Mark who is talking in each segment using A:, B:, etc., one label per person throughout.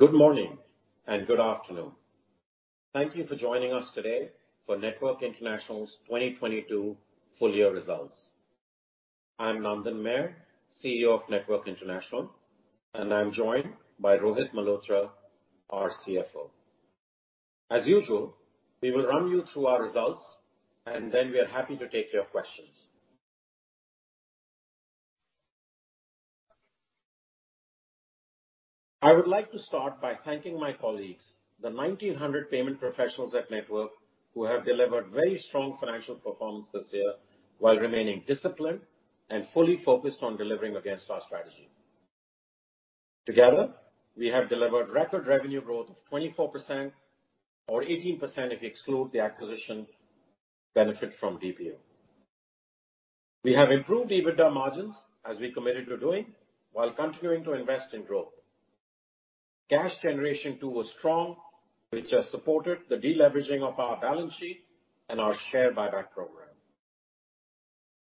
A: Good morning and good afternoon. Thank you for joining us today for Network International's 2022 full year results. I'm Nandan Mer, CEO of Network International, and I'm joined by Rohit Malhotra, our CFO. As usual, we will run you through our results and then we are happy to take your questions. I would like to start by thanking my colleagues, the 1,900 payment professionals at Network who have delivered very strong financial performance this year while remaining disciplined and fully focused on delivering against our strategy. Together, we have delivered record revenue growth of 24% or 18% if you exclude the acquisition benefit from DPO. We have improved EBITDA margins as we committed to doing while continuing to invest in growth. Cash generation too was strong, which has supported the deleveraging of our balance sheet and our share buyback program.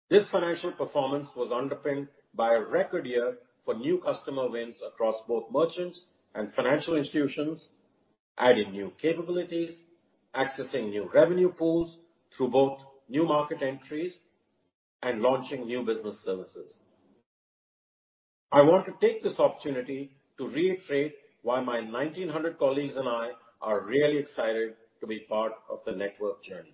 A: This financial performance was underpinned by a record year for new customer wins across both merchants and financial institutions, adding new capabilities, accessing new revenue pools through both new market entries and launching new business services. I want to take this opportunity to reiterate why my 1,900 colleagues and I are really excited to be part of the Network journey.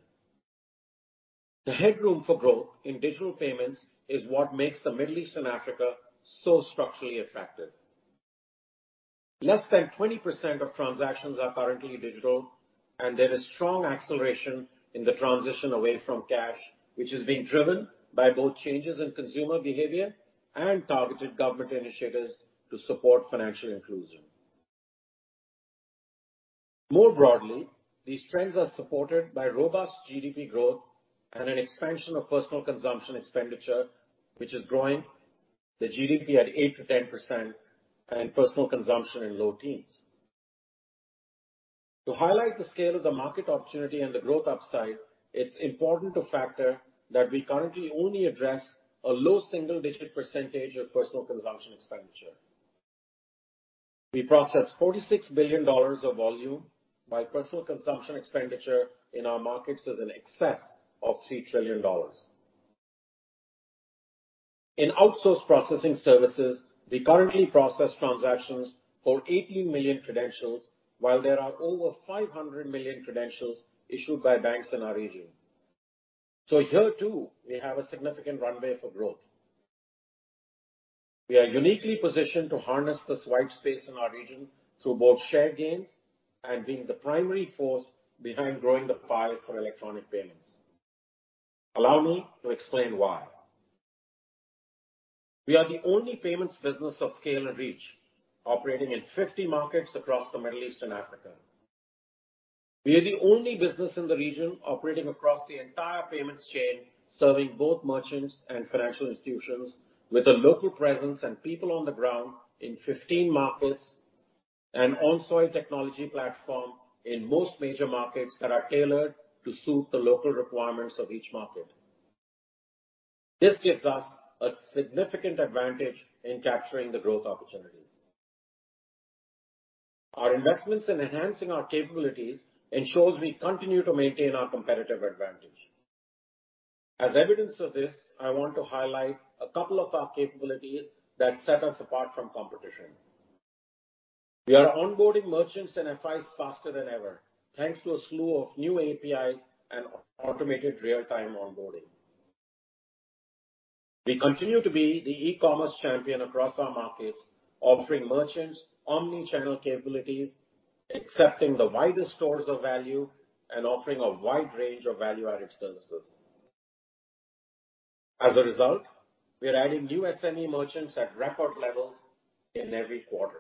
A: The headroom for growth in digital payments is what makes the Middle East and Africa so structurally attractive. Less than 20% of transactions are currently digital, there is strong acceleration in the transition away from cash, which is being driven by both changes in consumer behavior and targeted government initiatives to support financial inclusion. More broadly, these trends are supported by robust GDP growth and an expansion of personal consumption expenditure, which is growing the GDP at 8%-10% and personal consumption in low teens. To highlight the scale of the market opportunity and the growth upside, it's important to factor that we currently only address a low single-digit percentage of personal consumption expenditure. We process $46 billion of volume by personal consumption expenditure in our markets is in excess of $3 trillion. In Outsourced Payment Services, we currently process transactions for 80 million credentials while there are over 500 million credentials issued by banks in our region. Here, too, we have a significant runway for growth. We are uniquely positioned to harness this white space in our region through both share gains and being the primary force behind growing the pie for electronic payments. Allow me to explain why. We are the only payments business of scale and reach operating in 50 markets across the Middle East and Africa. We are the only business in the region operating across the entire payments chain, serving both merchants and financial institutions with a local presence and people on the ground in 15 markets and on-soil technology platform in most major markets that are tailored to suit the local requirements of each market. This gives us a significant advantage in capturing the growth opportunity. Our investments in enhancing our capabilities ensures we continue to maintain our competitive advantage. As evidence of this, I want to highlight a couple of our capabilities that set us apart from competition. We are onboarding merchants and FIs faster than ever, thanks to a slew of new APIs and automated real-time onboarding. We continue to be the e-commerce champion across our markets, offering merchants omni-channel capabilities, accepting the widest stores of value, and offering a wide range of value-added services. As a result, we are adding new SME merchants at record levels in every quarter.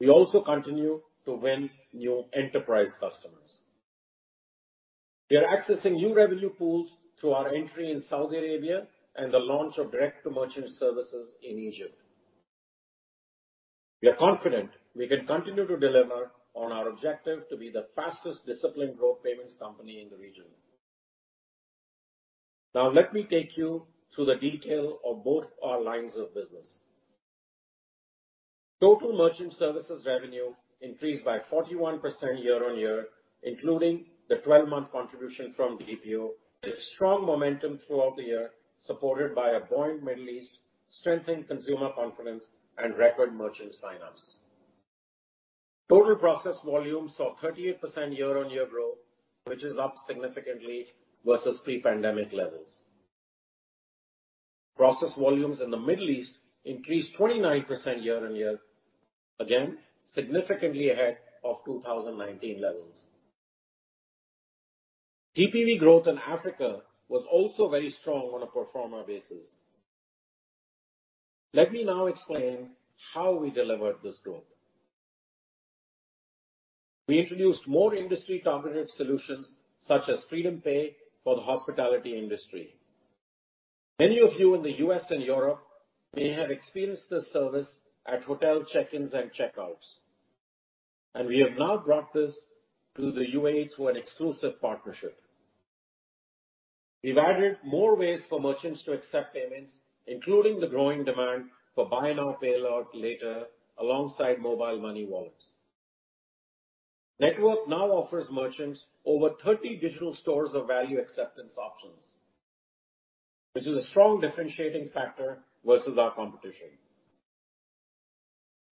A: We also continue to win new enterprise customers. We are accessing new revenue pools through our entry in Saudi Arabia and the launch of direct-to-merchant services in Egypt. We are confident we can continue to deliver on our objective to be the fastest disciplined growth payments company in the region. Now, let me take you through the detail of both our lines of business. Total Merchant Services revenue increased by 41% year-on-year, including the 12-month contribution from DPO with strong momentum throughout the year, supported by a buoyant Middle East, strengthened consumer confidence, and record merchant sign-ups. Total processed volume saw 38% year-on-year growth, which is up significantly versus pre-pandemic levels. Processed volumes in the Middle East increased 29% year-on-year. Again, significantly ahead of 2019 levels. DPV growth in Africa was also very strong on a pro forma basis. Let me now explain how we delivered this growth. We introduced more industry targeted solutions such as FreedomPay for the hospitality industry. Many of you in the US and Europe may have experienced this service at hotel check-ins and check-outs, and we have now brought this to the UAE through an exclusive partnership. We've added more ways for merchants to accept payments, including the growing demand for buy now, pay later, alongside mobile money wallets. Network now offers merchants over 30 digital stores of value acceptance options, which is a strong differentiating factor versus our competition.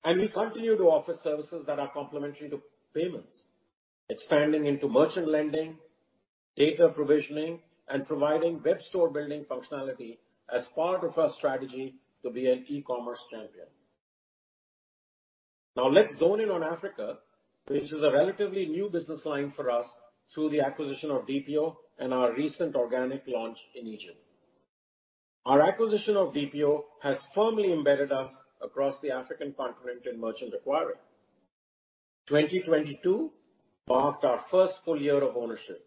A: We continue to offer services that are complementary to payments, expanding into merchant lending, data provisioning, and providing web store building functionality as part of our strategy to be an e-commerce champion. Now let's zone in on Africa, which is a relatively new business line for us through the acquisition of DPO and our recent organic launch in Egypt. Our acquisition of DPO has firmly embedded us across the African continent in merchant acquiring. 2022 marked our first full year of ownership.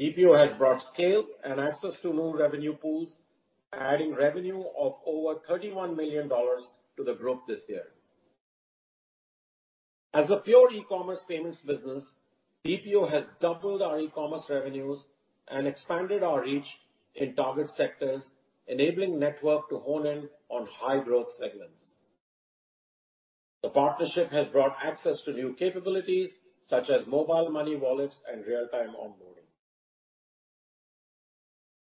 A: DPO has brought scale and access to new revenue pools, adding revenue of over $31 million to the group this year. As a pure e-commerce payments business, DPO has doubled our e-commerce revenues and expanded our reach in target sectors, enabling Network to hone in on high growth segments. The partnership has brought access to new capabilities such as mobile money wallets and real-time onboarding.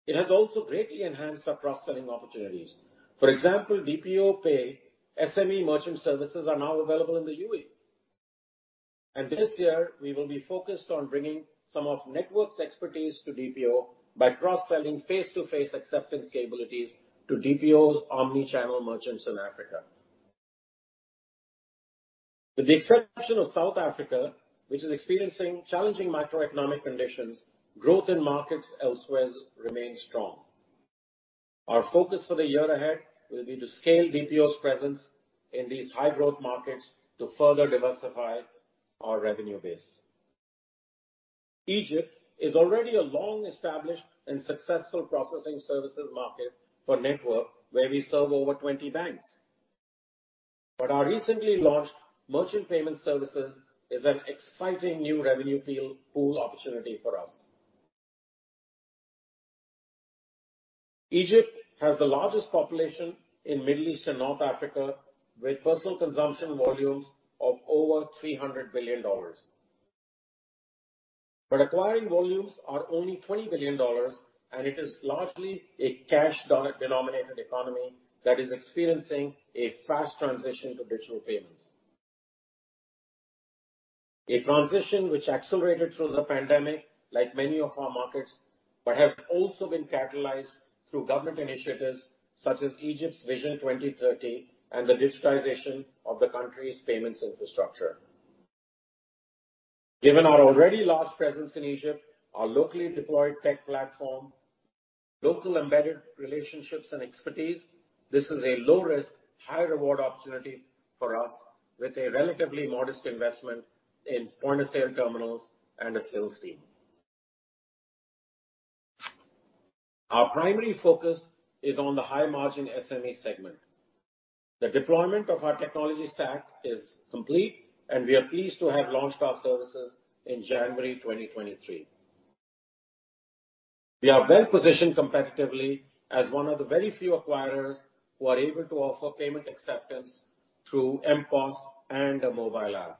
A: It has also greatly enhanced our cross-selling opportunities. For example, DPO Pay SME merchant services are now available in the UAE. This year, we will be focused on bringing some of Network's expertise to DPO by cross-selling face-to-face acceptance capabilities to DPO's omni-channel merchants in Africa. With the exception of South Africa, which is experiencing challenging macroeconomic conditions, growth in markets elsewhere remains strong. Our focus for the year ahead will be to scale DPO's presence in these high-growth markets to further diversify our revenue base. Egypt is already a long-established and successful processing services market for Network, where we serve over 20 banks. Our recently launched merchant payment services is an exciting new revenue pool opportunity for us. Egypt has the largest population in Middle East and North Africa, with personal consumption volumes of over $300 billion. Acquiring volumes are only $20 billion, and it is largely a cash-denominated economy that is experiencing a fast transition to digital payments. A transition which accelerated through the pandemic, like many of our markets, but has also been catalyzed through government initiatives such as Egypt's Vision 2030 and the digitization of the country's payments infrastructure. Given our already large presence in Egypt, our locally deployed tech platform, local embedded relationships and expertise, this is a low-risk, high-reward opportunity for us with a relatively modest investment in point-of-sale terminals and a sales team. Our primary focus is on the high-margin SME segment. The deployment of our technology stack is complete, and we are pleased to have launched our services in January 2023. We are well-positioned competitively as one of the very few acquirers who are able to offer payment acceptance through MPOS and a mobile app.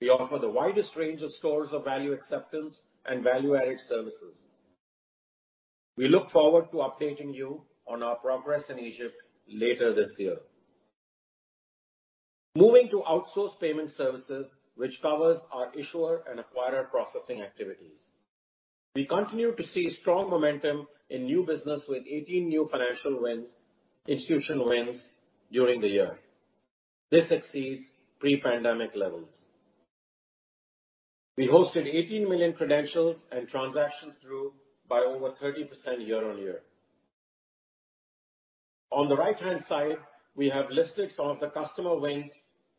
A: We offer the widest range of stores of value acceptance and value-added services. We look forward to updating you on our progress in Egypt later this year. Moving to Outsourced Payment Services, which covers our issuer and acquirer processing activities. We continue to see strong momentum in new business with 18 new institutional wins during the year. This exceeds pre-pandemic levels. We hosted 18 million credentials and transactions through by over 30% year-over-year. On the right-hand side, we have listed some of the customer wins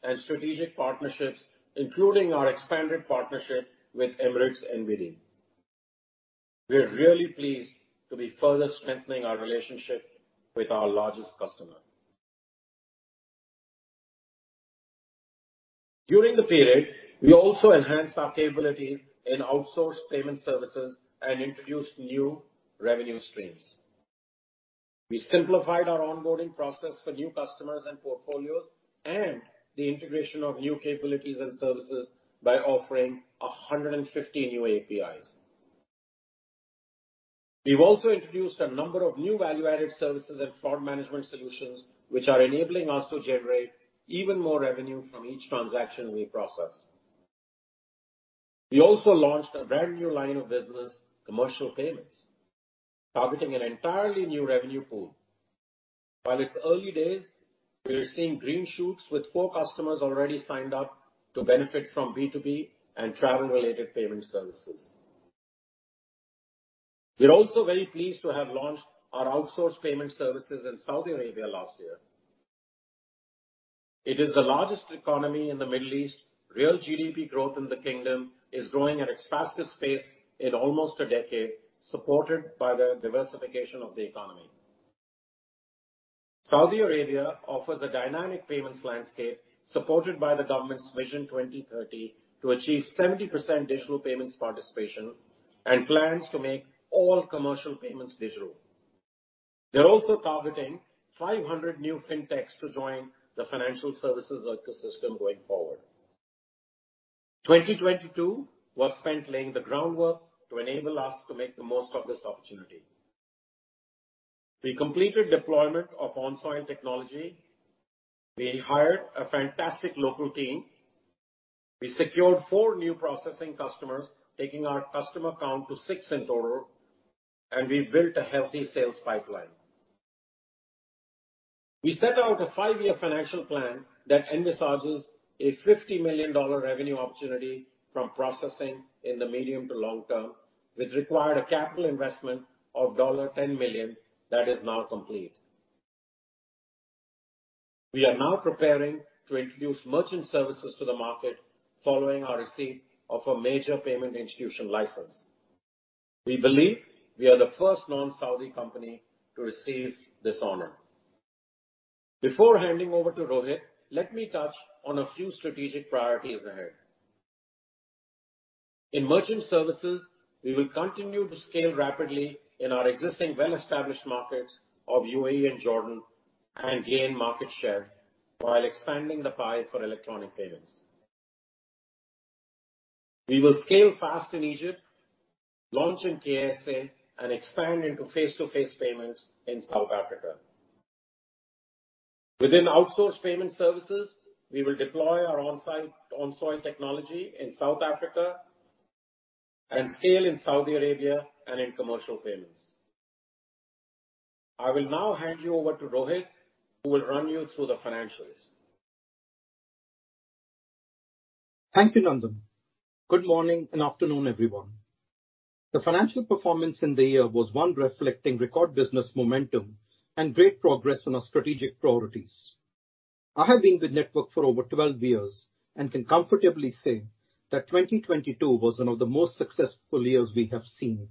A: and strategic partnerships, including our expanded partnership with Emirates NBD. We're really pleased to be further strengthening our relationship with our largest customer. During the period, we also enhanced our capabilities in Outsourced Payment Services and introduced new revenue streams. We simplified our onboarding process for new customers and portfolios and the integration of new capabilities and services by offering 150 new APIs. We've also introduced a number of new value-added services and fraud management solutions, which are enabling us to generate even more revenue from each transaction we process. We also launched a brand-new line of business, commercial payments, targeting an entirely new revenue pool. It's early days, we are seeing green shoots with 4 customers already signed up to benefit from B2B and travel-related payment services. We're also very pleased to have launched our Outsourced Payment Services in Saudi Arabia last year. It is the largest economy in the Middle East. Real GDP growth in the kingdom is growing at its fastest pace in almost a decade, supported by the diversification of the economy. Saudi Arabia offers a dynamic payments landscape supported by the government's Vision 2030 to achieve 70% digital payments participation and plans to make all commercial payments digital. They're also targeting 500 new fintechs to join the financial services ecosystem going forward. 2022 was spent laying the groundwork to enable us to make the most of this opportunity. We completed deployment of on-soil technology. We hired a fantastic local team. We secured 4 new processing customers, taking our customer count to 6 in total. We built a healthy sales pipeline. We set out a 5-year financial plan that envisages a $50 million revenue opportunity from processing in the medium to long term, which required a capital investment of $10 million that is now complete. We are now preparing to introduce Merchant Services to the market following our receipt of a major payment institution license. We believe we are the first non-Saudi company to receive this honor. Before handing over to Rohit, let me touch on a few strategic priorities ahead. In Merchant Services, we will continue to scale rapidly in our existing well-established markets of UAE and Jordan and gain market share while expanding the pie for electronic payments. We will scale fast in Egypt, launch in KSA, and expand into face-to-face payments in South Africa. Within Outsourced Payment Services, we will deploy our on-soil technology in South Africa and scale in Saudi Arabia and in commercial payments. I will now hand you over to Rohit, who will run you through the financials.
B: Thank you, Nandan. Good morning and afternoon, everyone. The financial performance in the year was one reflecting record business momentum and great progress on our strategic priorities. I have been with Network for over 12 years and can comfortably say that 2022 was one of the most successful years we have seen,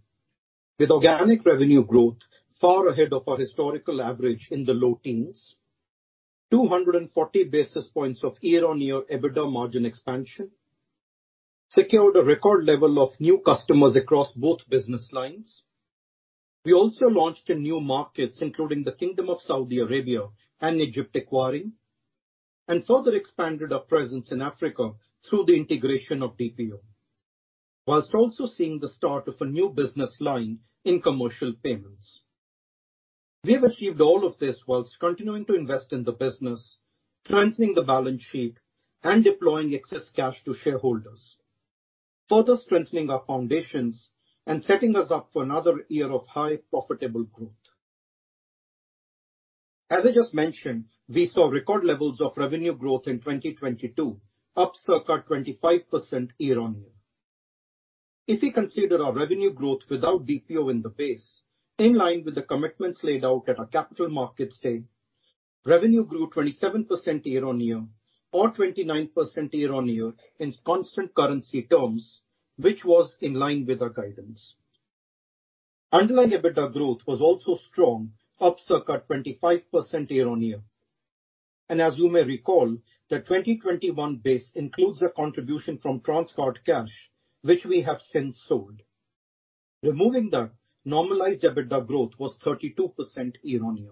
B: with organic revenue growth far ahead of our historical average in the low teens, 240 basis points of year-on-year EBITDA margin expansion, secured a record level of new customers across both business lines. We also launched in new markets, including the Kingdom of Saudi Arabia and Egypt Acquiring, and further expanded our presence in Africa through the integration of DPO, whilst also seeing the start of a new business line in commercial payments. We have achieved all of this whilst continuing to invest in the business, strengthening the balance sheet, and deploying excess cash to shareholders, further strengthening our foundations and setting us up for another year of high profitable growth. I just mentioned, we saw record levels of revenue growth in 2022, up circa 25% year-over-year. If we consider our revenue growth without DPO in the base, in line with the commitments laid out at our capital markets day, revenue grew 27% year-over-year or 29% year-over-year in constant currency terms, which was in line with our guidance. Underlying EBITDA growth was also strong, up circa 25% year-over-year. As you may recall, the 2021 base includes a contribution from Transguard Cash, which we have since sold. Removing that, normalized EBITDA growth was 32% year-over-year.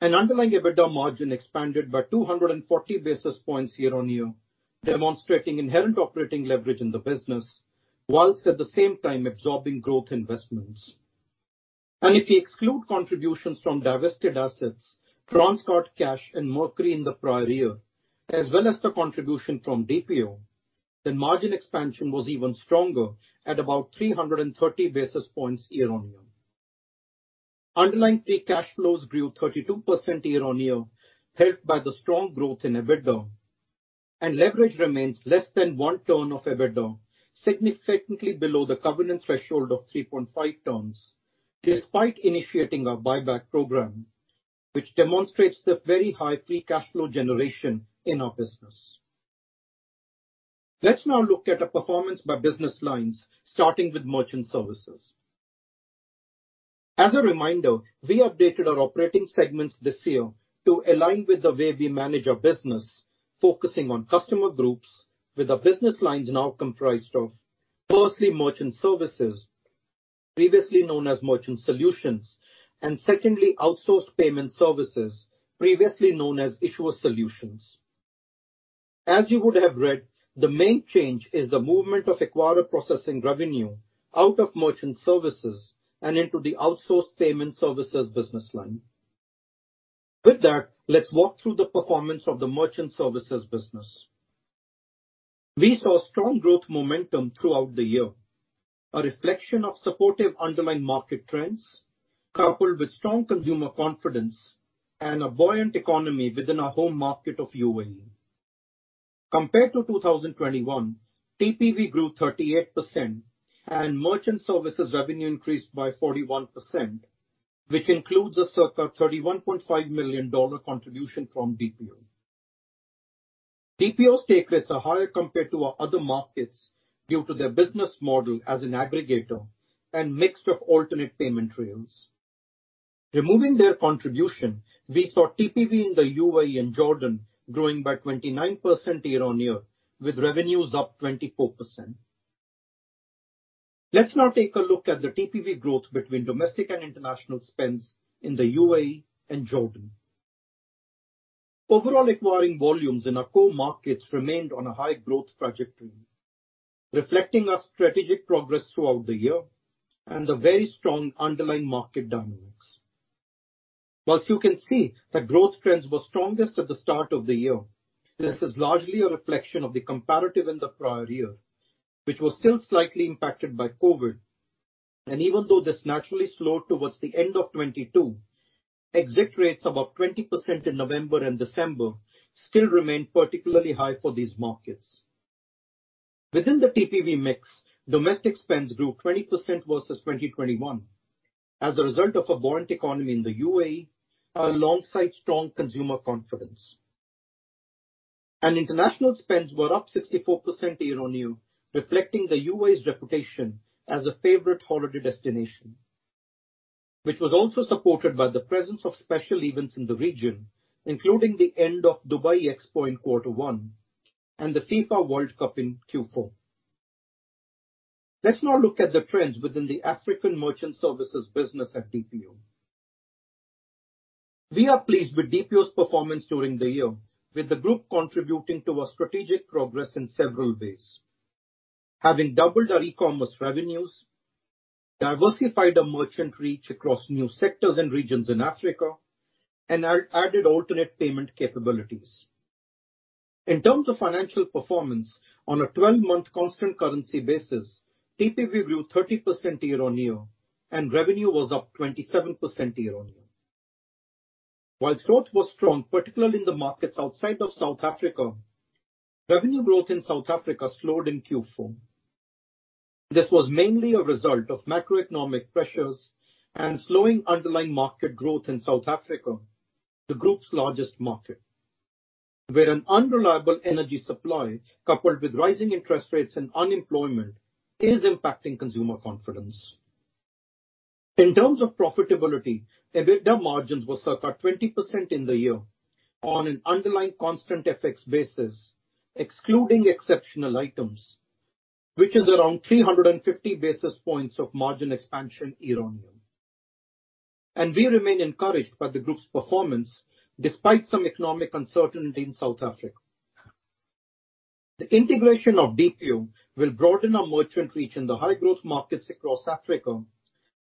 B: Underlying EBITDA margin expanded by 240 basis points year-on-year, demonstrating inherent operating leverage in the business, while at the same time absorbing growth investments. If we exclude contributions from divested assets, Transguard Cash and Mercury in the prior year, as well as the contribution from DPO, then margin expansion was even stronger at about 330 basis points year-on-year. Underlying free cash flows grew 32% year-on-year, helped by the strong growth in EBITDA. Leverage remains less than one turn of EBITDA, significantly below the covenant threshold of 3.5 turns, despite initiating our buyback program, which demonstrates the very high free cash flow generation in our business. Let's now look at our performance by business lines, starting with Merchant Services. As a reminder, we updated our operating segments this year to align with the way we manage our business, focusing on customer groups, with our business lines now comprised of, firstly, Merchant Services, previously known as Merchant Solutions, and secondly, Outsourced Payment Services, previously known as Issuer Solutions. As you would have read, the main change is the movement of acquirer processing revenue out of Merchant Services and into the Outsourced Payment Services business line. With that, let's walk through the performance of the Merchant Services business. We saw strong growth momentum throughout the year, a reflection of supportive underlying market trends coupled with strong consumer confidence and a buoyant economy within our home market of UAE. Compared to 2021, TPV grew 38% and Merchant Services revenue increased by 41%, which includes a circa $31.5 million contribution from DPO. DPO stake rates are higher compared to our other markets due to their business model as an aggregator and mix of alternate payment rails. Removing their contribution, we saw TPV in the UAE and Jordan growing by 29% year-on-year, with revenues up 24%. Let's now take a look at the TPV growth between domestic and international spends in the UAE and Jordan. Overall acquiring volumes in our core markets remained on a high growth trajectory, reflecting our strategic progress throughout the year and the very strong underlying market dynamics. Whilst you can see that growth trends were strongest at the start of the year, this is largely a reflection of the comparative in the prior year, which was still slightly impacted by COVID. Even though this naturally slowed towards the end of 22, exit rates above 20% in November and December still remain particularly high for these markets. Within the TPV mix, domestic spends grew 20% versus 2021 as a result of a buoyant economy in the UAE, alongside strong consumer confidence. International spends were up 64% year-on-year, reflecting the UAE's reputation as a favorite holiday destination, which was also supported by the presence of special events in the region, including the end of Dubai Expo in Q1 and the FIFA World Cup in Q4. Let's now look at the trends within the African Merchant Services business at DPO. We are pleased with DPO's performance during the year, with the group contributing to our strategic progress in several ways. Having doubled our e-commerce revenues, diversified our merchant reach across new sectors and regions in Africa, and added alternate payment capabilities. In terms of financial performance, on a 12-month constant currency basis, TPV grew 30% year-on-year, and revenue was up 27% year-on-year. While growth was strong, particularly in the markets outside of South Africa, revenue growth in South Africa slowed in Q4. This was mainly a result of macroeconomic pressures and slowing underlying market growth in South Africa, the group's largest market, where an unreliable energy supply, coupled with rising interest rates and unemployment, is impacting consumer confidence. In terms of profitability, EBITDA margins were circa 20% in the year on an underlying constant FX basis, excluding exceptional items, which is around 350 basis points of margin expansion year-on-year. We remain encouraged by the group's performance despite some economic uncertainty in South Africa. The integration of DPO will broaden our merchant reach in the high-growth markets across Africa,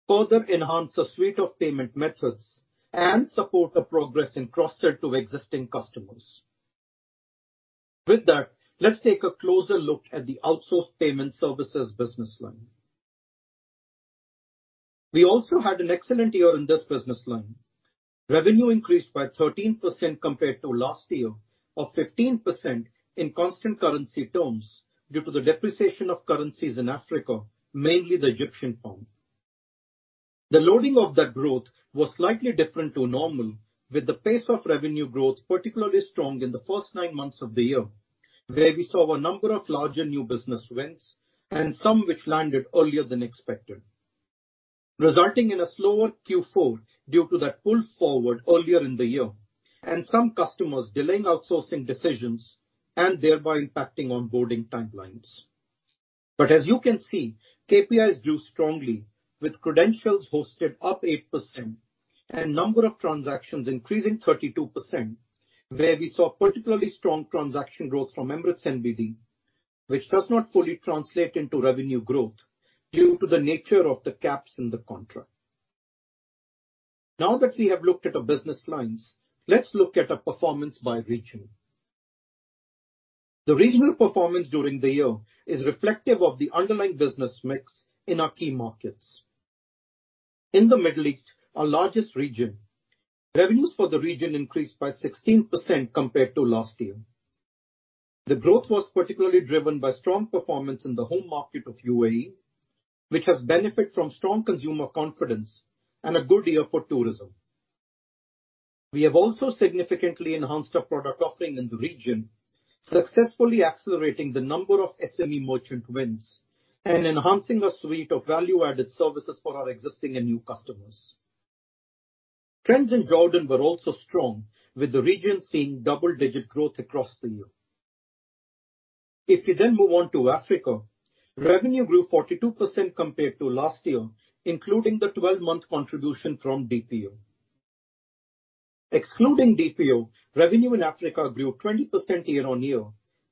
B: further enhance the suite of payment methods, and support the progress in cross-sell to existing customers. With that, let's take a closer look at the Outsourced Payment Services business line. We also had an excellent year in this business line. Revenue increased by 13% compared to last year, or 15% in constant currency terms due to the depreciation of currencies in Africa, mainly the Egyptian pound. The loading of that growth was slightly different to normal, with the pace of revenue growth particularly strong in the first nine months of the year, where we saw a number of larger new business wins and some which landed earlier than expected, resulting in a slower Q4 due to that pull forward earlier in the year and some customers delaying outsourcing decisions and thereby impacting onboarding timelines. As you can see, KPIs grew strongly, with credentials hosted up 8% and number of transactions increasing 32%, where we saw particularly strong transaction growth from Emirates NBD, which does not fully translate into revenue growth due to the nature of the caps in the contract. Now that we have looked at our business lines, let's look at our performance by region. The regional performance during the year is reflective of the underlying business mix in our key markets. In the Middle East, our largest region, revenues for the region increased by 16% compared to last year. The growth was particularly driven by strong performance in the home market of UAE, which has benefit from strong consumer confidence and a good year for tourism. We have also significantly enhanced our product offering in the region, successfully accelerating the number of SME merchant wins and enhancing our suite of value-added services for our existing and new customers. Trends in Jordan were also strong, with the region seeing double-digit growth across the year. We then move on to Africa, revenue grew 42% compared to last year, including the 12-month contribution from DPO. Excluding DPO, revenue in Africa grew 20% year-on-year,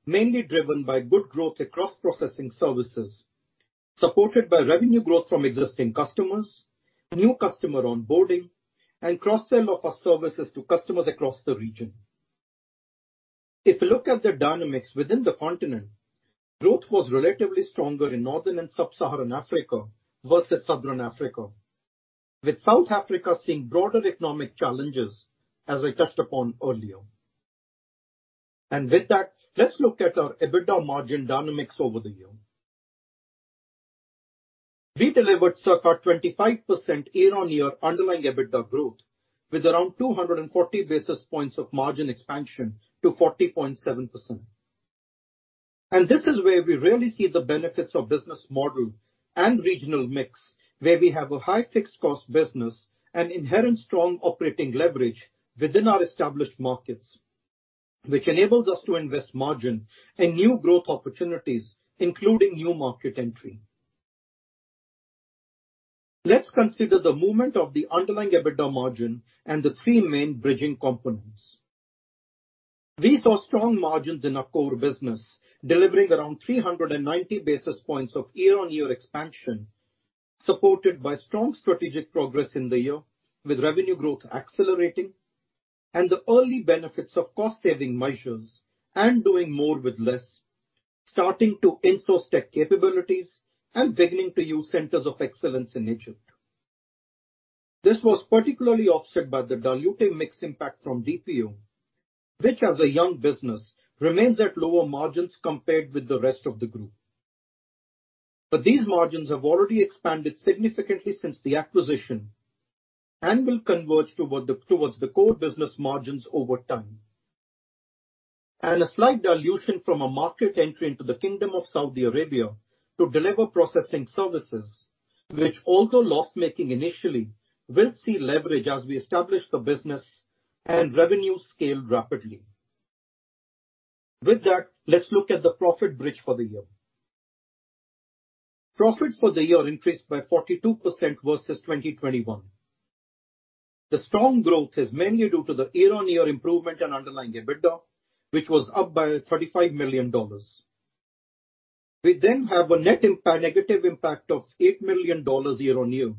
B: mainly driven by good growth across processing services, supported by revenue growth from existing customers, new customer onboarding, and cross-sell of our services to customers across the region. If you look at the dynamics within the continent, growth was relatively stronger in Northern and Sub-Saharan Africa versus Southern Africa, with South Africa seeing broader economic challenges, as I touched upon earlier. With that, let's look at our EBITDA margin dynamics over the year. We delivered circa 25% year-on-year underlying EBITDA growth with around 240 basis points of margin expansion to 40.7%. This is where we really see the benefits of business model and regional mix, where we have a high fixed cost business and inherent strong operating leverage within our established markets, which enables us to invest margin in new growth opportunities, including new market entry. Let's consider the movement of the underlying EBITDA margin and the three main bridging components. We saw strong margins in our core business, delivering around 390 basis points of year-on-year expansion, supported by strong strategic progress in the year with revenue growth accelerating and the early benefits of cost saving measures and doing more with less, starting to insource tech capabilities and beginning to use centers of excellence in Egypt. This was particularly offset by the dilutive mix impact from DPO, which as a young business remains at lower margins compared with the rest of the group. These margins have already expanded significantly since the acquisition and will converge towards the core business margins over time. A slight dilution from a market entry into the Kingdom of Saudi Arabia to deliver processing services, which although loss-making initially, will see leverage as we establish the business and revenue scale rapidly. With that, let's look at the profit bridge for the year. Profit for the year increased by 42% versus 2021. The strong growth is mainly due to the year-on-year improvement in underlying EBITDA, which was up by $35 million. We have a net negative impact of $8 million year-on-year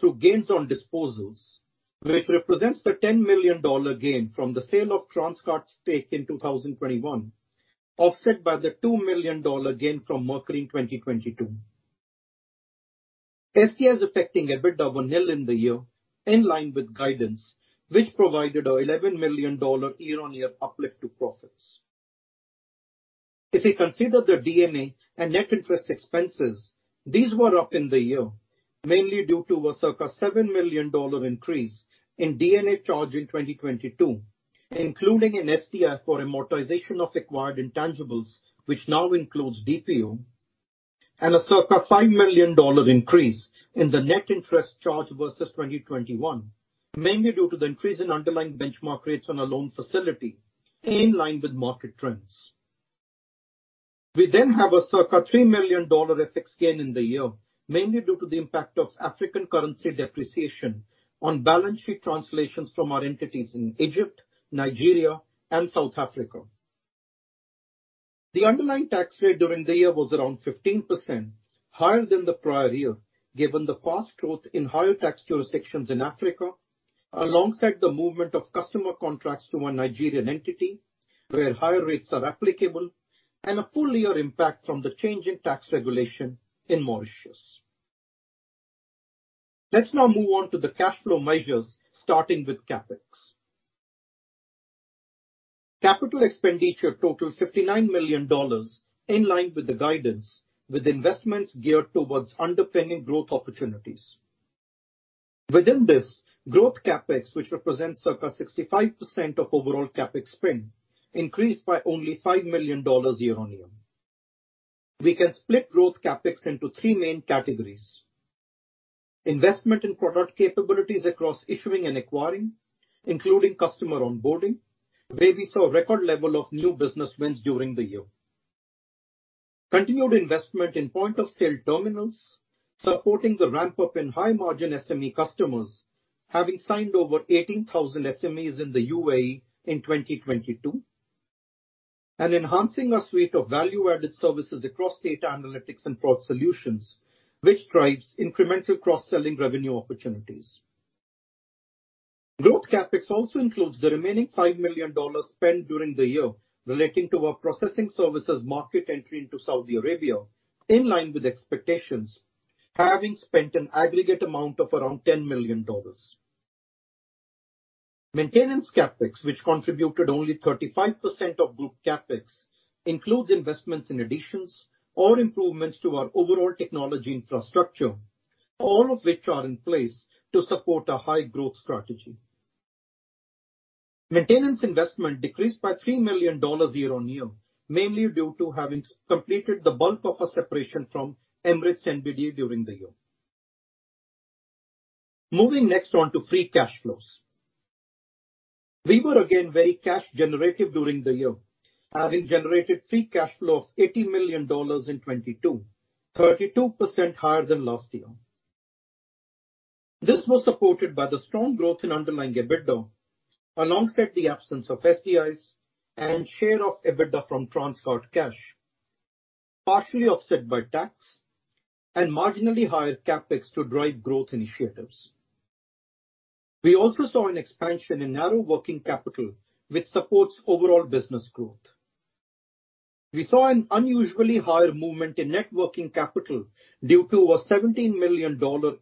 B: through gains on disposals, which represents the $10 million gain from the sale of Transguard Cash stake in 2021, offset by the $2 million gain from Mercury in 2022. STIs affecting EBITDA were nil in the year, in line with guidance, which provided a $11 million year-on-year uplift to profits. If we consider the D&A and net interest expenses, these were up in the year, mainly due to a circa $7 million increase in D&A charge in 2022, including an STI for amortization of acquired intangibles, which now includes DPO, and a circa $5 million increase in the net interest charge versus 2021, mainly due to the increase in underlying benchmark rates on a loan facility in line with market trends. We have a circa $3 million FX gain in the year, mainly due to the impact of African currency depreciation on balance sheet translations from our entities in Egypt, Nigeria, and South Africa. The underlying tax rate during the year was around 15%, higher than the prior year, given the fast growth in higher tax jurisdictions in Africa, alongside the movement of customer contracts to a Nigerian entity where higher rates are applicable and a full year impact from the change in tax regulation in Mauritius. Let's now move on to the cash flow measures, starting with CapEx. Capital expenditure totaled $59 million in line with the guidance, with investments geared towards underpinning growth opportunities. Within this growth CapEx, which represents circa 65% of overall CapEx spend, increased by only $5 million year-on-year. We can split growth CapEx into three main categories. Investment in product capabilities across issuing and acquiring, including customer onboarding, where we saw a record level of new business wins during the year. Continued investment in point-of-sale terminals, supporting the ramp-up in high-margin SME customers, having signed over 18,000 SMEs in the UAE in 2022. Enhancing our suite of value-added services across data analytics and product solutions, which drives incremental cross-selling revenue opportunities. Growth CapEx also includes the remaining $5 million spent during the year relating to our processing services market entry into Saudi Arabia, in line with expectations, having spent an aggregate amount of around $10 million. Maintenance CapEx, which contributed only 35% of group CapEx, includes investments in additions or improvements to our overall technology infrastructure, all of which are in place to support our high-growth strategy. Maintenance investment decreased by $3 million year-on-year, mainly due to having completed the bulk of our separation from Emirates NBD during the year. Moving next on to free cash flows. We were again very cash generative during the year, having generated free cash flow of $80 million in 2022, 32% higher than last year. This was supported by the strong growth in underlying EBITDA, alongside the absence of STIs and share of EBITDA from Transguard Cash, partially offset by tax and marginally higher CapEx to drive growth initiatives. We also saw an expansion in narrow working capital, which supports overall business growth. We saw an unusually higher movement in net working capital due to a $17 million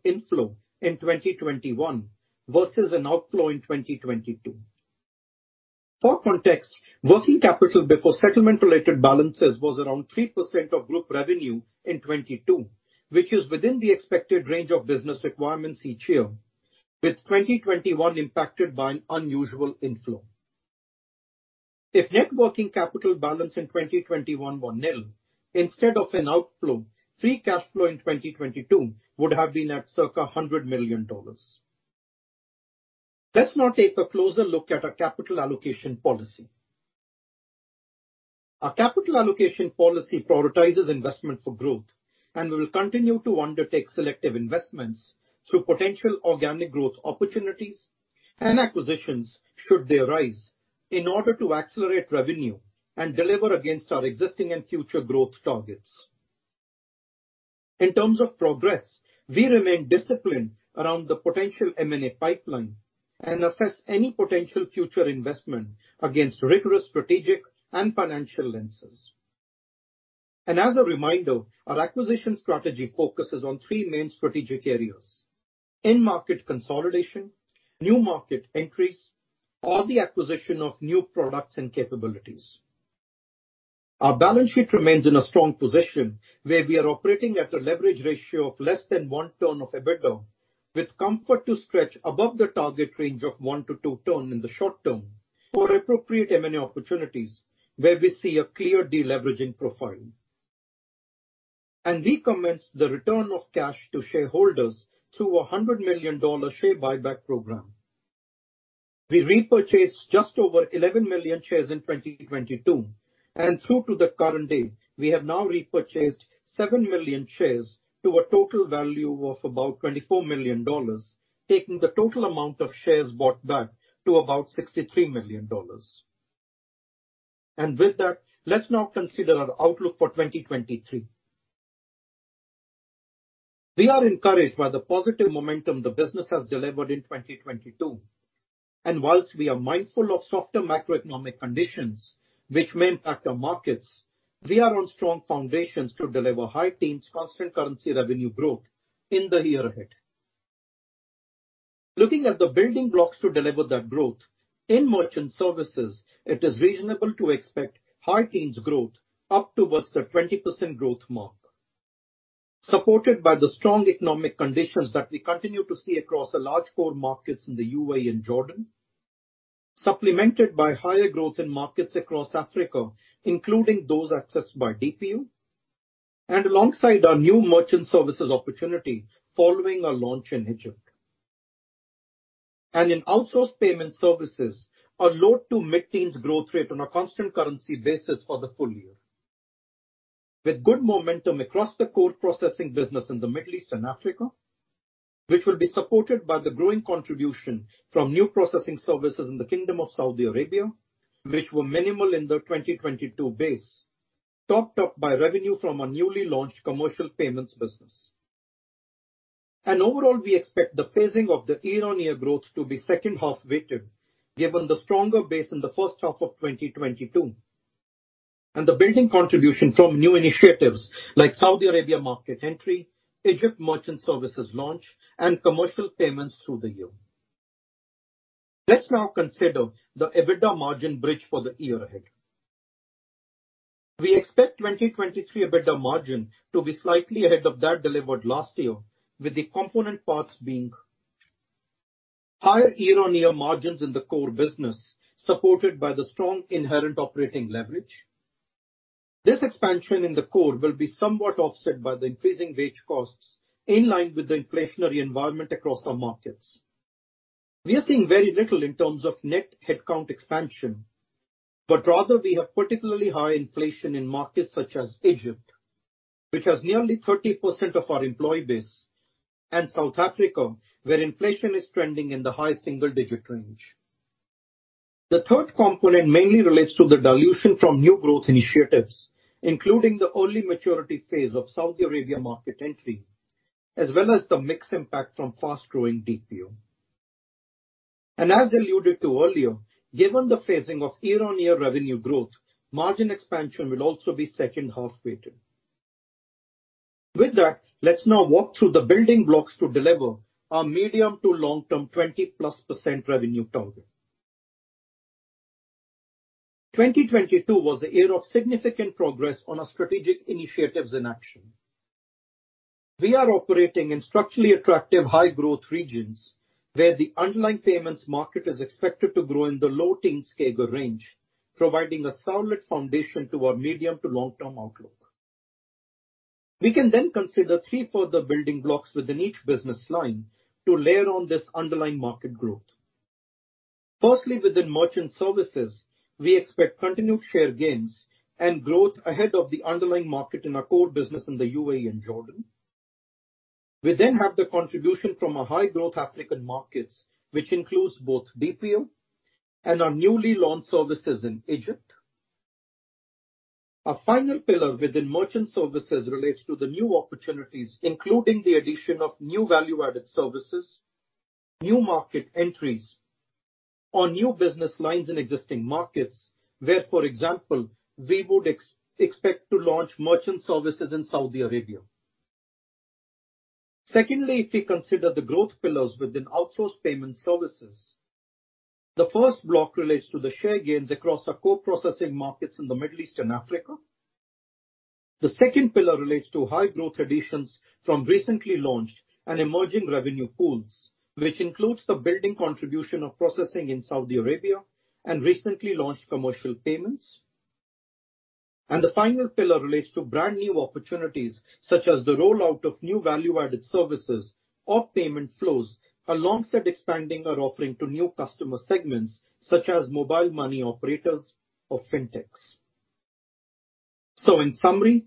B: inflow in 2021 versus an outflow in 2022. For context, working capital before settlement-related balances was around 3% of group revenue in 2022, which is within the expected range of business requirements each year, with 2021 impacted by an unusual inflow. If net working capital balance in 2021 were nil instead of an outflow, free cash flow in 2022 would have been at circa $100 million. Let's now take a closer look at our capital allocation policy. Our capital allocation policy prioritizes investment for growth, and we will continue to undertake selective investments through potential organic growth opportunities and acquisitions should they arise, in order to accelerate revenue and deliver against our existing and future growth targets. In terms of progress, we remain disciplined around the potential M&A pipeline and assess any potential future investment against rigorous strategic and financial lenses. As a reminder, our acquisition strategy focuses on three main strategic areas: end market consolidation, new market entries, or the acquisition of new products and capabilities. Our balance sheet remains in a strong position where we are operating at a leverage ratio of less than 1x EBITDA, with comfort to stretch above the target range of 1x-2x in the short term for appropriate M&A opportunities where we see a clear deleveraging profile. We commence the return of cash to shareholders through a $100 million share buyback program. We repurchased just over 11 million shares in 2022, and through to the current date, we have now repurchased 7 million shares to a total value of about $24 million, taking the total amount of shares bought back to about $63 million. With that, let's now consider our outlook for 2023. We are encouraged by the positive momentum the business has delivered in 2022. Whilst we are mindful of softer macroeconomic conditions which may impact our markets, we are on strong foundations to deliver high teens constant currency revenue growth in the year ahead. Looking at the building blocks to deliver that growth, in Merchant Services, it is reasonable to expect high teens growth up towards the 20% growth mark, supported by the strong economic conditions that we continue to see across a large core markets in the UAE and Jordan, supplemented by higher growth in markets across Africa, including those accessed by DPO, and alongside our new Merchant Services opportunity following our launch in Egypt. In Outsourced Payment Services, a low to mid-teens growth rate on a constant currency basis for the full year, with good momentum across the core processing business in the Middle East and Africa, which will be supported by the growing contribution from new processing services in the Kingdom of Saudi Arabia, which were minimal in the 2022 base, topped up by revenue from our newly launched commercial payments business. Overall, we expect the phasing of the year-on-year growth to be second half-weighted given the stronger base in the first half of 2022, and the building contribution from new initiatives like Saudi Arabia market entry, Egypt Merchant Services launch, and commercial payments through the year. Let's now consider the EBITDA margin bridge for the year ahead. We expect 2023 EBITDA margin to be slightly ahead of that delivered last year with the component parts being higher year-on-year margins in the core business, supported by the strong inherent operating leverage. This expansion in the core will be somewhat offset by the increasing wage costs in line with the inflationary environment across our markets. We are seeing very little in terms of net headcount expansion, but rather we have particularly high inflation in markets such as Egypt, which has nearly 30% of our employee base, and South Africa, where inflation is trending in the high single-digit range. The third component mainly relates to the dilution from new growth initiatives, including the early maturity phase of Saudi Arabia market entry, as well as the mix impact from fast-growing DPO. As alluded to earlier, given the phasing of year-over-year revenue growth, margin expansion will also be second half-weighted. With that, let's now walk through the building blocks to deliver our medium to long-term 20+% revenue target. 2022 was a year of significant progress on our strategic initiatives and action. We are operating in structurally attractive high growth regions, where the underlying payments market is expected to grow in the low teens CAGR range, providing a solid foundation to our medium to long-term outlook. We can consider 3 further building blocks within each business line to layer on this underlying market growth. Firstly, within Merchant Services, we expect continued share gains and growth ahead of the underlying market in our core business in the UAE and Jordan. We have the contribution from our high growth African markets, which includes both DPO and our newly launched services in Egypt. Our final pillar within Merchant Services relates to the new opportunities, including the addition of new value-added services, new market entries or new business lines in existing markets where, for example, we would expect to launch Merchant Services in Saudi Arabia. If you consider the growth pillars within Outsourced Payment Services, the first block relates to the share gains across our core processing markets in the Middle East and Africa. The second pillar relates to high growth additions from recently launched and emerging revenue pools, which includes the building contribution of processing in Saudi Arabia and recently launched commercial payments. The final pillar relates to brand new opportunities, such as the rollout of new value-added services or payment flows, alongside expanding our offering to new customer segments such as mobile money operators or fintechs. In summary,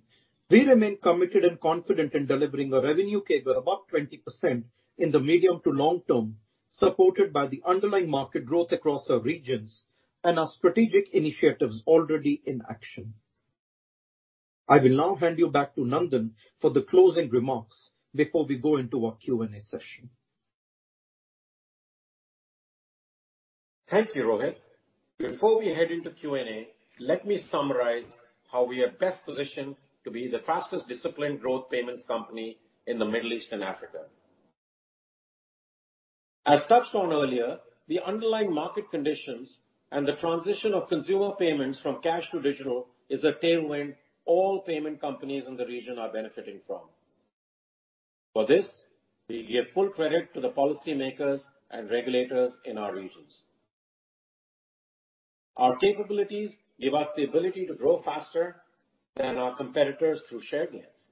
B: we remain committed and confident in delivering a revenue CAGR above 20% in the medium to long term, supported by the underlying market growth across our regions and our strategic initiatives already in action. I will now hand you back to Nandan for the closing remarks before we go into our Q&A session.
A: Thank you, Rohit. Before we head into Q&A, let me summarize how we are best positioned to be the fastest disciplined growth payments company in the Middle East and Africa. As touched on earlier, the underlying market conditions and the transition of consumer payments from cash to digital is a tailwind all payment companies in the region are benefiting from. For this, we give full credit to the policymakers and regulators in our regions. Our capabilities give us the ability to grow faster than our competitors through share gains.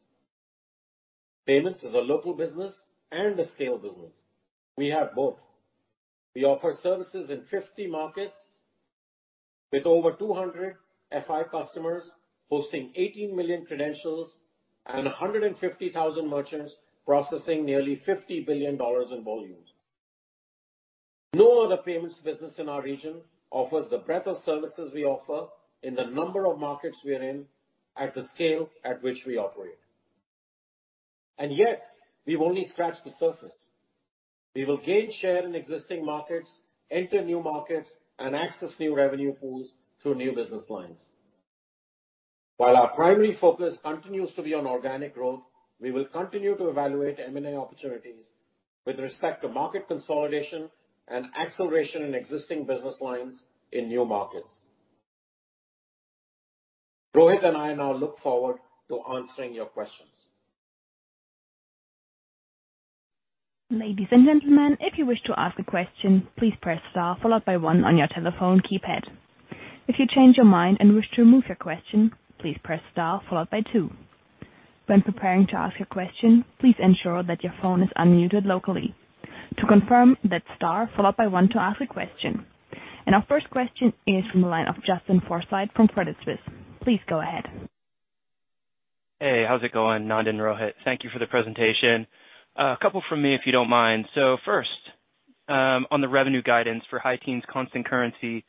A: Payments is a local business and a scale business. We have both. We offer services in 50 markets with over 200 FI customers hosting 18 million credentials and 150,000 merchants processing nearly $50 billion in volumes. No other payments business in our region offers the breadth of services we offer in the number of markets we are in at the scale at which we operate. Yet we've only scratched the surface. We will gain share in existing markets, enter new markets, and access new revenue pools through new business lines. While our primary focus continues to be on organic growth, we will continue to evaluate M&A opportunities with respect to market consolidation and acceleration in existing business lines in new markets. Rohit and I now look forward to answering your questions.
C: Ladies and gentlemen, if you wish to ask a question, please press star followed by one on your telephone keypad. If you change your mind and wish to remove your question, please press star followed by two. When preparing to ask your question, please ensure that your phone is unmuted locally. To confirm, that's star followed by one to ask a question. Our first question is from the line of Justin Forsythe from Credit Suisse. Please go ahead.
D: Hey, how's it going, Nandan, Rohit? Thank you for the presentation. A couple from me, if you don't mind. First, on the revenue guidance for high teens constant currency,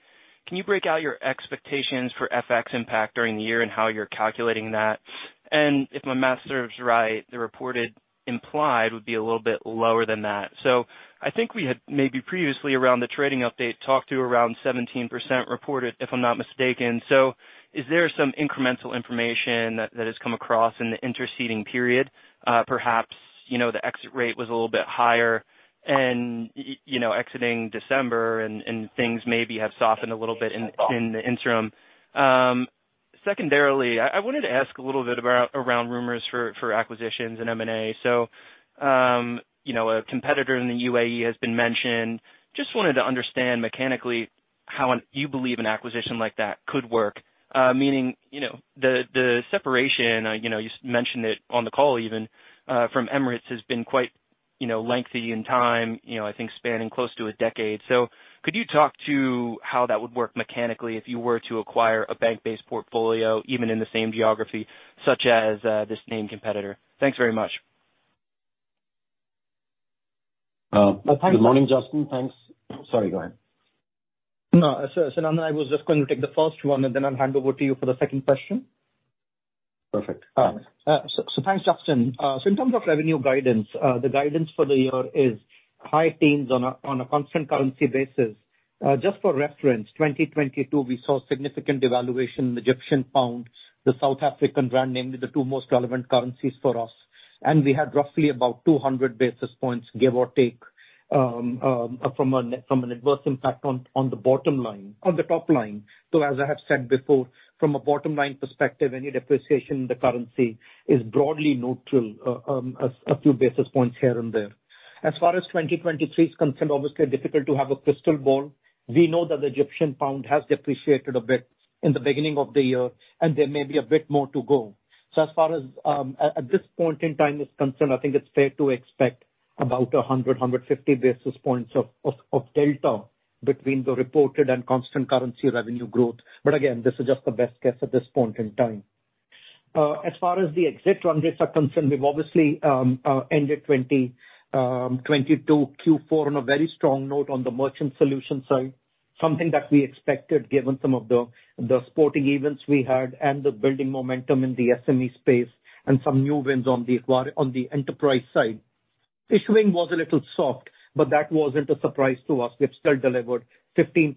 D: can you break out your expectations for FX impact during the year and how you're calculating that? If my math serves right, the reported implied would be a little bit lower than that. I think we had maybe previously around the trading update talked to around 17% reported, if I'm not mistaken. Is there some incremental information that has come across in the interceding period? Perhaps, you know, the exit rate was a little bit higher and, you know, exiting December and things maybe have softened a little bit in the interim. Secondarily, I wanted to ask a little bit about around rumors for acquisitions and M&A. You know, a competitor in the UAE has been mentioned. Just wanted to understand mechanically how you believe an acquisition like that could work, meaning, you know, the separation, you know, you mentioned it on the call even, from Emirates has been quite, you know, lengthy in time, you know, I think spanning close to a decade. Could you talk to how that would work mechanically if you were to acquire a bank-based portfolio even in the same geography such as, this named competitor? Thanks very much.
A: Good morning, Justin. Thanks. Sorry, go ahead.
B: No, Nandan, I was just going to take the first one, and then I'll hand over to you for the second question.
A: Perfect.
B: Thanks, Justin. In terms of revenue guidance, the guidance for the year is high teens on a constant currency basis. Just for reference, 2022, we saw significant devaluation in the Egyptian pound, the South African rand, namely the two most relevant currencies for us. We had roughly about 200 basis points, give or take, from an adverse impact on the bottom line, on the top line. As I have said before, from a bottom-line perspective, any depreciation in the currency is broadly neutral, a few basis points here and there. As far as 2023 is concerned, obviously difficult to have a crystal ball. We know that the Egyptian pound has depreciated a bit in the beginning of the year, and there may be a bit more to go. As far as at this point in time is concerned, I think it's fair to expect about 100, 150 basis points of delta between the reported and constant currency revenue growth. Again, this is just the best guess at this point in time. As far as the exit runways are concerned, we've obviously ended 2022 Q4 on a very strong note on the Merchant Solutions side, something that we expected given some of the sporting events we had and the building momentum in the SME space and some new wins on the enterprise side. Issuing was a little soft, but that wasn't a surprise to us. We have still delivered 15%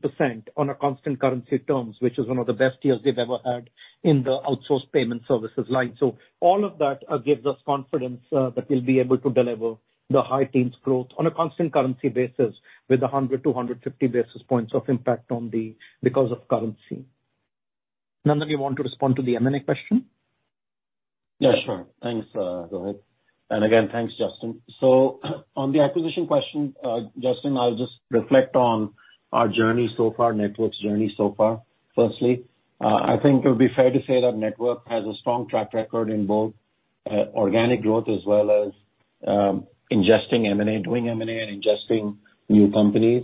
B: on a constant currency terms, which is one of the best years we've ever had in the Outsourced Payment Services line. All of that gives us confidence that we'll be able to deliver the high teens growth on a constant currency basis with 100-150 basis points of impact on the because of currency. Nandan, you want to respond to the M&A question?
A: Yeah, sure. Thanks, Rohit. Again, thanks, Justin. On the acquisition question, Justin, I'll just reflect on our journey so far, Network's journey so far. Firstly, I think it would be fair to say that Network has a strong track record in both organic growth as well as ingesting M&A, doing M&A and ingesting new companies,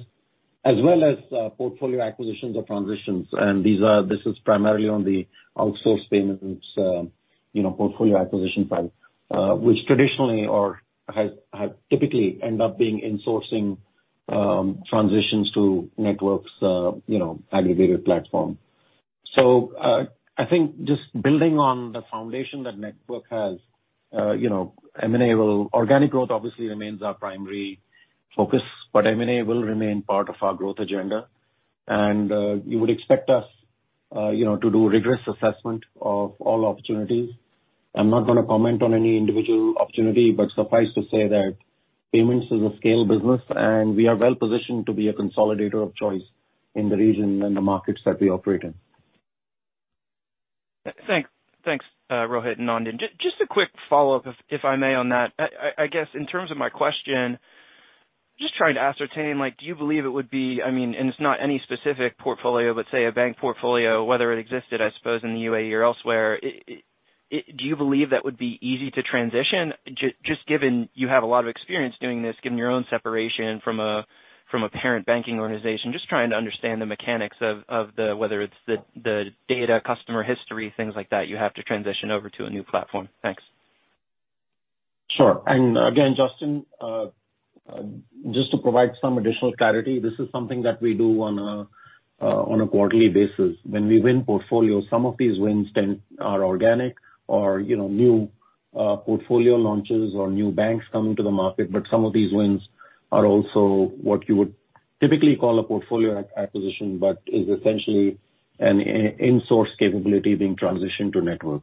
A: as well as portfolio acquisitions or transitions. This is primarily on the Outsourced Payment Services, you know, portfolio acquisition side, which traditionally has typically end up being insourcing transitions to Network's, you know, aggregated platform. I think just building on the foundation that Network has, you know, M&A will. Organic growth obviously remains our primary focus, but M&A will remain part of our growth agenda. You would expect us, you know, to do rigorous assessment of all opportunities. I'm not gonna comment on any individual opportunity. Suffice to say that payments is a scale business, and we are well-positioned to be a consolidator of choice in the region and the markets that we operate in.
D: Thanks, thanks, Rohit and Nandan. Just a quick follow-up, if I may, on that. I guess in terms of my question, just trying to ascertain, like, do you believe it would be, I mean, and it's not any specific portfolio, but say a bank portfolio, whether it existed, I suppose, in the UAE or elsewhere, it. Do you believe that would be easy to transition? Just given you have a lot of experience doing this, given your own separation from a parent banking organization, just trying to understand the mechanics of the, whether it's the data, customer history, things like that you have to transition over to a new platform. Thanks.
A: Sure. Again, Justin, just to provide some additional clarity, this is something that we do on a quarterly basis. When we win portfolios, some of these wins tend are organic or, you know, new portfolio launches or new banks coming to the market. Some of these wins are also what you would typically call a portfolio acquisition, but is essentially an in-source capability being transitioned to Network.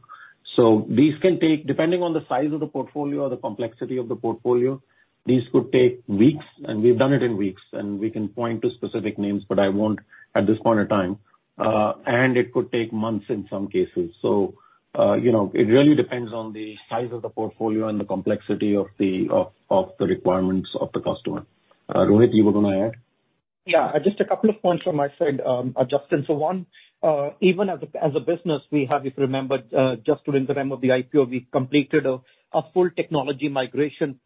A: These can take, depending on the size of the portfolio or the complexity of the portfolio, these could take weeks, and we've done it in weeks, and we can point to specific names, but I won't at this point in time. It could take months in some cases. You know, it really depends on the size of the portfolio and the complexity of the requirements of the customer. Rohit, you were gonna add?
B: Yeah, just a couple of points from my side, Justin. One, even as a business, we have, if you remember, just during the time of the IPO, we completed a full technology migration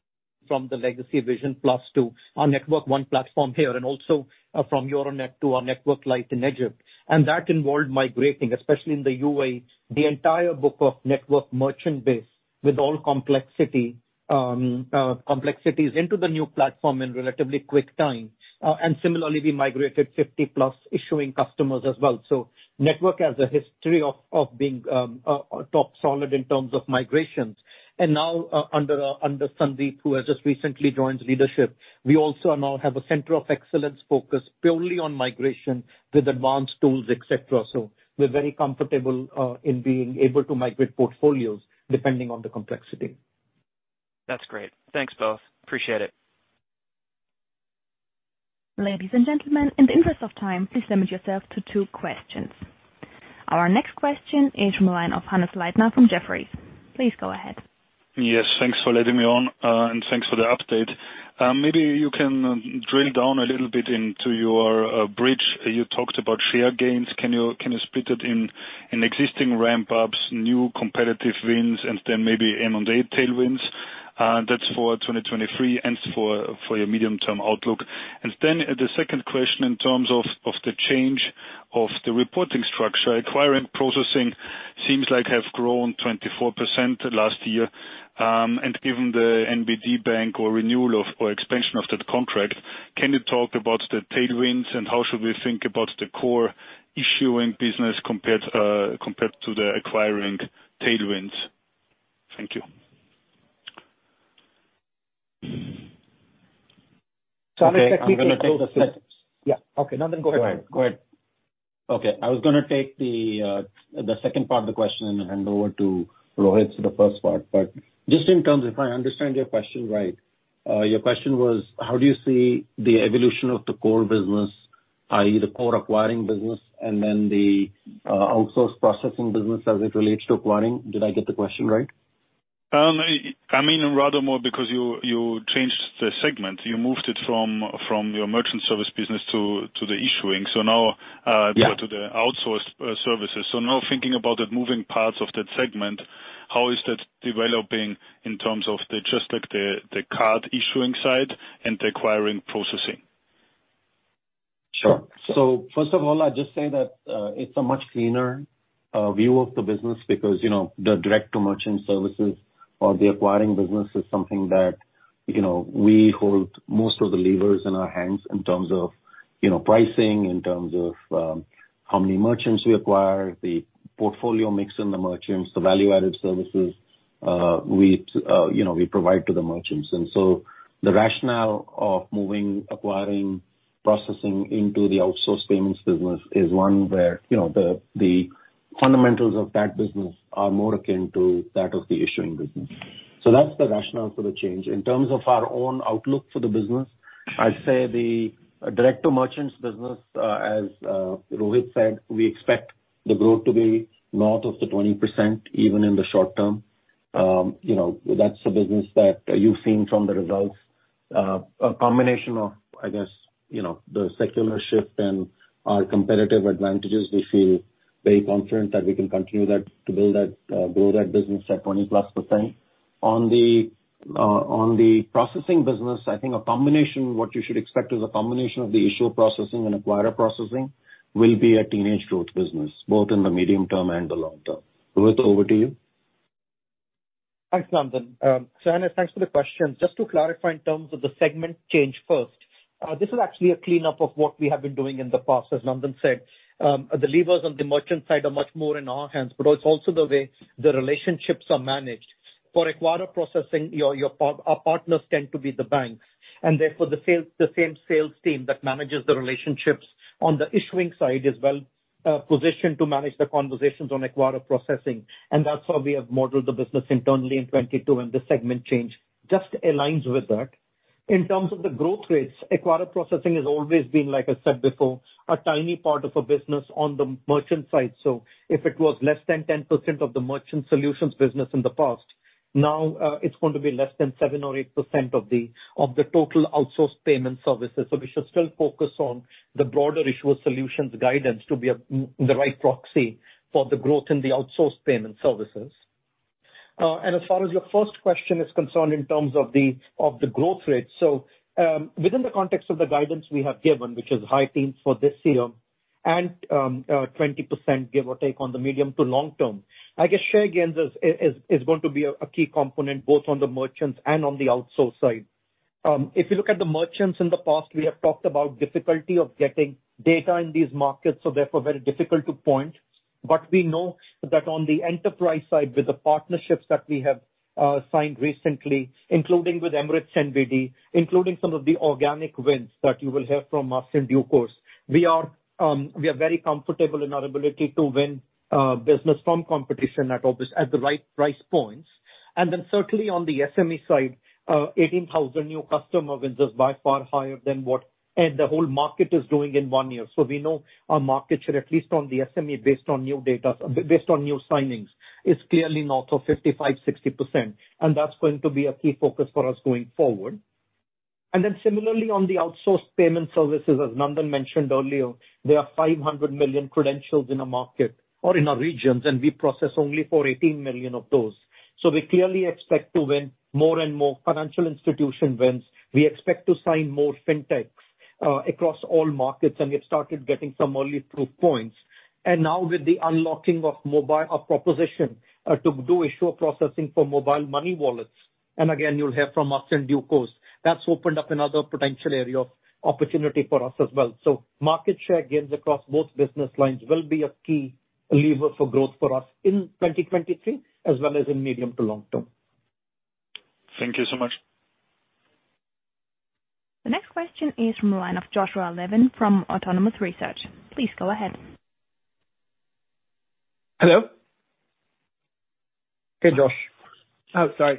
B: from the legacy VisionPLUS to our Network One platform here and also from Euronet to our Network Lite in Egypt. That involved migrating, especially in the UAE, the entire book of Network merchant base with all complexities into the new platform in relatively quick time. Similarly, we migrated 50-plus issuing customers as well. Network has a history of being top solid in terms of migrations. Now under Sandeep, who has just recently joined leadership, we also now have a center of excellence focused purely on migration with advanced tools, et cetera. We're very comfortable in being able to migrate portfolios depending on the complexity.
D: That's great. Thanks, both. Appreciate it.
C: Ladies and gentlemen, in the interest of time, please limit yourself to two questions. Our next question is from the line of Hannes Leitner from Jefferies. Please go ahead.
E: Yes, thanks for letting me on, and thanks for the update. Maybe you can drill down a little bit into your bridge. You talked about share gains. Can you split it in existing ramp-ups, new competitive wins, and then maybe M&A tailwinds? That's for 2023 and for your medium-term outlook. The second question in terms of the change of the reporting structure. Acquiring Processing seems like have grown 24% last year. Given the Emirates NBD or renewal of or expansion of that contract, can you talk about the tailwinds and how should we think about the core issuing business compared to the acquiring tailwinds? Thank you.
B: Okay. Nandan, go ahead.
A: Go ahead. Okay. I was gonna take the second part of the question and hand over to Rohit for the first part. Just in terms, if I understand your question right, your question was how do you see the evolution of the core business, i.e. the core acquiring business and then the outsource processing business as it relates to acquiring? Did I get the question right?
E: I mean, rather more because you changed the segment. You moved it from your Merchant Services business to the issuing. Now.
A: Yeah.
E: -to the outsourced services. Now thinking about the moving parts of that segment, how is that developing in terms of just like the card issuing side and the acquiring processing?
A: Sure. First of all, I'd just say that, it's a much cleaner, view of the business because, you know, the direct-to-merchant services or the acquiring business is something that, you know, we hold most of the levers in our hands in terms of, you know, pricing, in terms of, how many merchants we acquire, the portfolio mix in the merchants, the value-added services we, you know, provide to the merchants. The rationale of moving acquiring processing into the Outsourced Payment Services business is one where, you know, the fundamentals of that business are more akin to that of the issuing business. That's the rationale for the change. In terms of our own outlook for the business, I'd say the direct-to-merchants business, as Rohit said, we expect the growth to be north of the 20%, even in the short term. You know, that's the business that you've seen from the results. A combination of, I guess, you know, the secular shift and our competitive advantages, we feel very confident that we can continue to build that business at 20+%. On the processing business, I think a combination of what you should expect is a combination of the issuer processing and acquirer processing will be a teenage growth business, both in the medium term and the long term. Rohit, over to you.
B: Thanks, Nandan. Anna, thanks for the question. Just to clarify in terms of the segment change first, this is actually a cleanup of what we have been doing in the past, as Nandan said. The levers on the merchant side are much more in our hands, but it's also the way the relationships are managed. For acquirer processing, our partners tend to be the banks, and therefore the sales, the same sales team that manages the relationships on the issuing side is well positioned to manage the conversations on acquirer processing. That's how we have modeled the business internally in 22, and the segment change just aligns with that. In terms of the growth rates, acquirer processing has always been, like I said before, a tiny part of a business on the merchant side. If it was less than 10% of the Merchant Solutions business in the past, now, it's going to be less than 7% or 8% of the total Outsourced Payment Services. We should still focus on the broader Issuer Solutions guidance to be the right proxy for the growth in the Outsourced Payment Services. As far as your first question is concerned in terms of the growth rate, within the context of the guidance we have given, which is high teens for this year and 20% give or take on the medium to long term, I guess share gains is going to be a key component both on the merchants and on the outsource side. If you look at the merchants in the past, we have talked about difficulty of getting data in these markets, so therefore very difficult to point. We know that on the enterprise side, with the partnerships that we have signed recently, including with Emirates NBD, including some of the organic wins that you will hear from us in due course, we are very comfortable in our ability to win business from competition at the right price points. Certainly on the SME side, 18,000 new customer wins is by far higher than what the whole market is doing in one year. We know our market share, at least on the SME, based on new data, based on new signings, is clearly north of 55%-60%, and that's going to be a key focus for us going forward. Similarly, on the Outsourced Payment Services, as Nandan mentioned earlier, there are 500 million credentials in a market or in our regions, and we process only for 18 million of those. We clearly expect to win more and more financial institution wins. We expect to sign more fintechs across all markets, and we have started getting some early proof points. Now with the unlocking of mobile proposition to do issuer processing for mobile money wallets, and again, you'll hear from us in due course, that's opened up another potential area of opportunity for us as well. Market share gains across both business lines will be a key lever for growth for us in 2023 as well as in medium to long term.
F: Thank you so much.
C: The next question is from the line of Josh Levin from Autonomous Research. Please go ahead.
F: Hello?
A: Hey, Josh.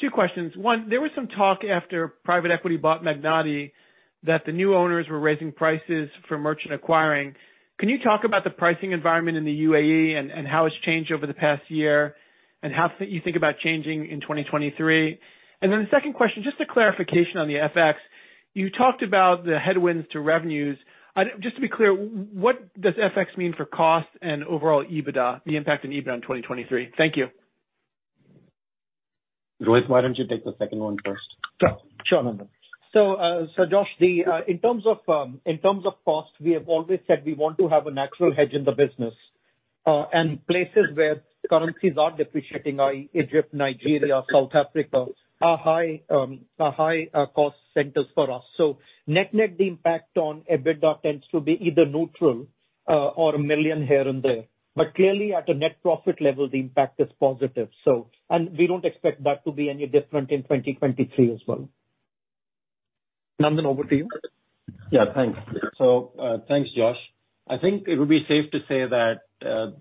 F: Two questions. One, there was some talk after private equity bought Magnati that the new owners were raising prices for merchant acquiring. Can you talk about the pricing environment in the UAE and how it's changed over the past year, and how you think about changing in 2023? The second question, just a clarification on the FX. You talked about the headwinds to revenues. Just to be clear, what does FX mean for cost and overall EBITDA, the impact on EBITDA in 2023? Thank you.
A: Rohit, why don't you take the second one first?
B: Sure. Sure, Nandan. Josh, in terms of costs, we have always said we want to have a natural hedge in the business. Places where currencies are depreciating, i.e., Egypt, Nigeria, South Africa, are high cost centers for us. Net-net, the impact on EBITDA tends to be either neutral or $1 million here and there. Clearly at a net profit level, the impact is positive. We don't expect that to be any different in 2023 as well. Nandan, over to you.
A: Thanks. Thanks, Josh. I think it would be safe to say that,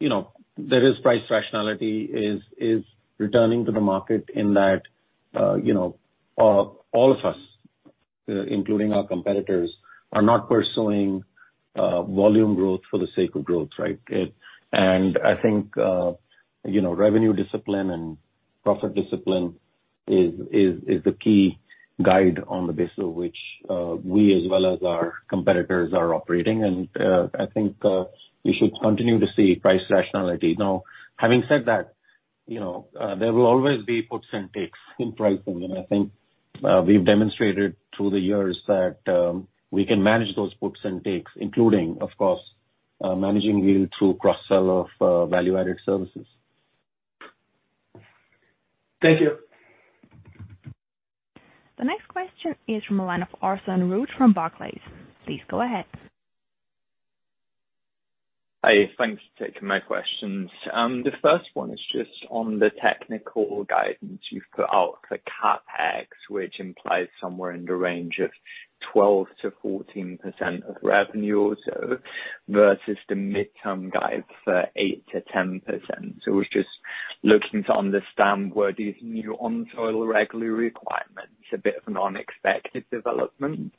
A: you know, there is price rationality is returning to the market in that, you know, all of us, including our competitors, are not pursuing volume growth for the sake of growth, right? I think, you know, revenue discipline and profit discipline is, is the key guide on the basis of which we as well as our competitors are operating. I think we should continue to see price rationality. Now, having said that, you know, there will always be puts and takes in pricing. I think we've demonstrated through the years that we can manage those puts and takes, including, of course, managing yield through cross-sell of value-added services.
B: Thank you.
C: The next question is from the line of Orson Rout from Barclays. Please go ahead.
G: Hi. Thanks for taking my questions. The first one is just on the technical guidance you've put out for CapEx, which implies somewhere in the range of 12%-14% of revenue also, versus the midterm guide for 8%-10%. I was just looking to understand were these new on soil regulatory requirements a bit of an unexpected development?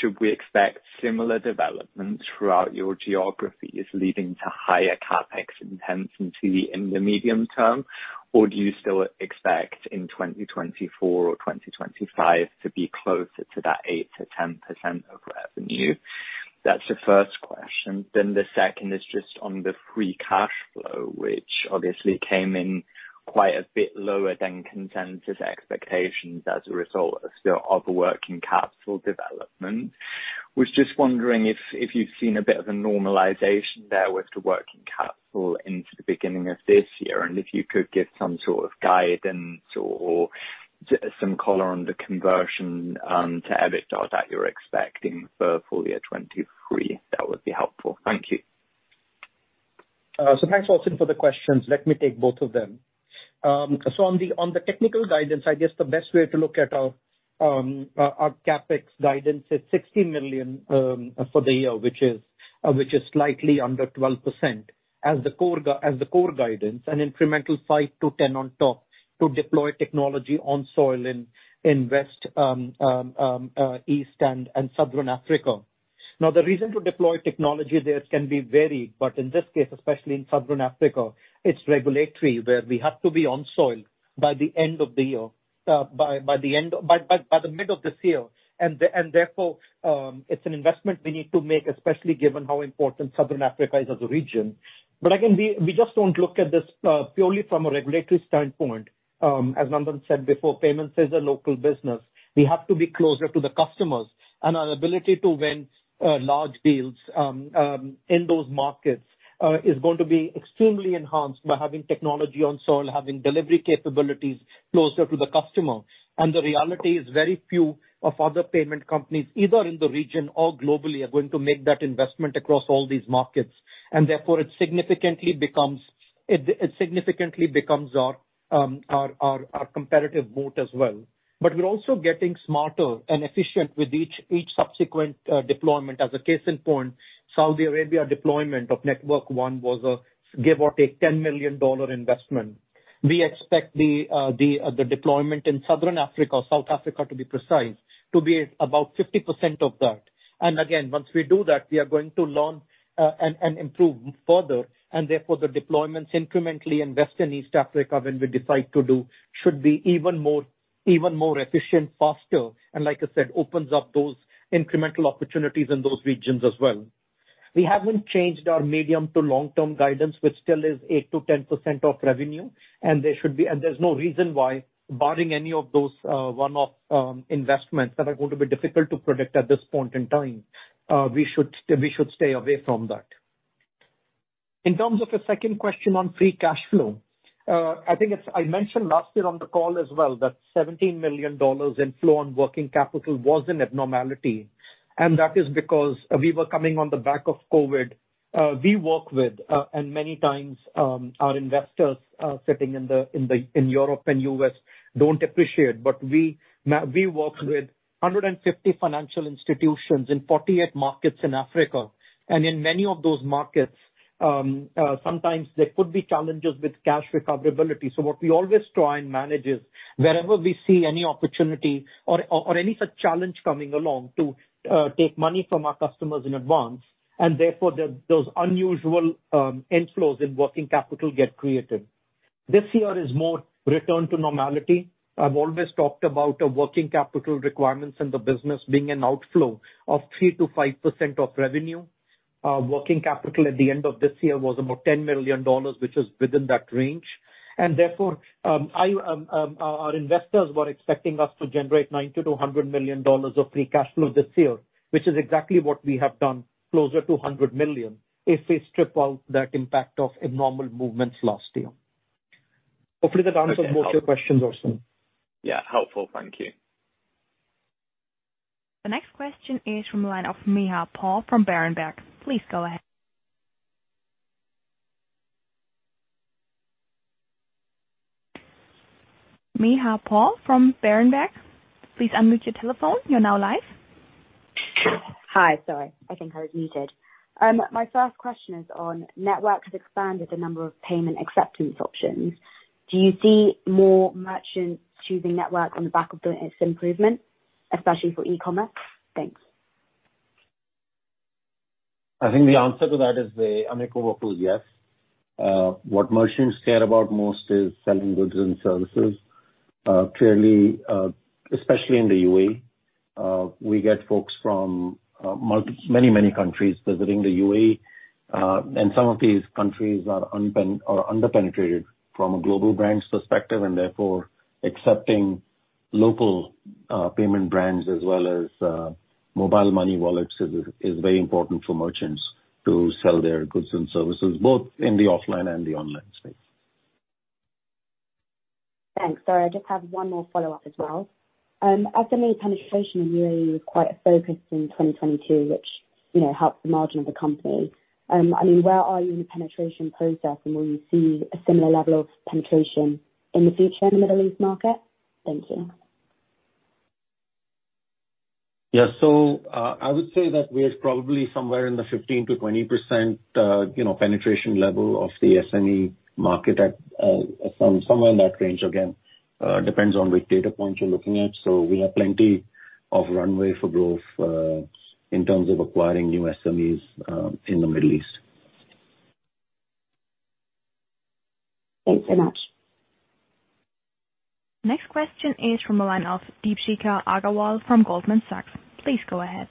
G: Should we expect similar developments throughout your geographies leading to higher CapEx intensity in the medium term? Do you still expect in 2024 or 2025 to be closer to that 8%-10% of revenue? That's the first question. The second is just on the free cash flow, which obviously came in quite a bit lower than consensus expectations as a result of still other working capital development. Was just wondering if you've seen a bit of a normalization there with the working capital into the beginning of this year, and if you could give some sort of guidance or some color on the conversion to EBITDA that you're expecting for full year 2023, that would be helpful. Thank you.
B: Thanks, Orson, for the questions. Let me take both of them. On the technical guidance, I guess the best way to look at our CapEx guidance is $60 million for the year, which is slightly under 12% as the core guidance, an incremental $5 million-$10 million on top to deploy technology on soil in West, East and Southern Africa. The reason to deploy technology there can be varied, but in this case, especially in Southern Africa, it's regulatory, where we have to be on soil by the middle of this year. Therefore, it's an investment we need to make, especially given how important Southern Africa is as a region. Again, we just don't look at this purely from a regulatory standpoint. As Nandan said before, payments is a local business. We have to be closer to the customers, and our ability to win large deals in those markets is going to be extremely enhanced by having technology on soil, having delivery capabilities closer to the customer. The reality is very few of other payment companies, either in the region or globally, are going to make that investment across all these markets. Therefore, it significantly becomes our competitive moat as well. We're also getting smarter and efficient with each subsequent deployment. As a case in point, Saudi Arabia deployment of Network One was a give or take $10 million investment. We expect the the the deployment in Southern Africa or South Africa to be precise, to be about 50% of that. Again, once we do that, we are going to learn, and improve further, and therefore the deployments incrementally in West and East Africa, when we decide to do, should be even more, even more efficient, faster, and like I said, opens up those incremental opportunities in those regions as well. We haven't changed our medium to long-term guidance, which still is 8%-10% of revenue, and there's no reason why barring any of those one-off investments that are going to be difficult to predict at this point in time, we should stay away from that. In terms of the second question on free cash flow, I think I mentioned last year on the call as well, that $17 million inflow on working capital was an abnormality, and that is because we were coming on the back of COVID. We work with, and many times our investors sitting in the, in the, in Europe and U.S. don't appreciate, but we work with 150 financial institutions in 48 markets in Africa. In many of those markets, sometimes there could be challenges with cash recoverability. What we always try and manage is wherever we see any opportunity or any such challenge coming along to take money from our customers in advance, and therefore those unusual inflows in working capital get created. This year is more return to normality. I've always talked about our working capital requirements in the business being an outflow of 3%-5% of revenue. Working capital at the end of this year was about $10 million, which is within that range. Therefore, I, our investors were expecting us to generate $90 million-$100 million of free cash flow this year, which is exactly what we have done, closer to $100 million, if we strip out that impact of abnormal movements last year. Hopefully that answers both your questions, Orson.
G: Yeah, helpful. Thank you.
C: The next question is from the line of Meha Pau from Berenberg. Please go ahead. Meha Pau from Berenberg, please unmute your telephone. You're now live.
H: Hi. Sorry, I think I was muted. My first question is on Networks has expanded the number of payment acceptance options. Do you see more merchants choosing Networks on the back of the Net's improvement, especially for e-commerce? Thanks.
B: I think the answer to that is an unequivocal yes. What merchants care about most is selling goods and services. Clearly, especially in the UAE, we get folks from many, many countries visiting the UAE. Some of these countries are under-penetrated from a global brands perspective.
A: Local payment brands as well as mobile money wallets is very important for merchants to sell their goods and services, both in the offline and the online space.
H: Thanks. Sorry, I just have one more follow-up as well. SME penetration in UAE was quite a focus in 2022, which, you know, helped the margin of the company. I mean, where are you in the penetration process, and will you see a similar level of penetration in the future in the Middle East market? Thank you.
A: I would say that we are probably somewhere in the 15%-20%, you know, penetration level of the SME market at somewhere in that range. Again, depends on which data point you're looking at. We have plenty of runway for growth in terms of acquiring new SMEs in the Middle East.
H: Thanks so much.
C: Next question is from the line of Deepshikha Agarwal from Goldman Sachs. Please go ahead.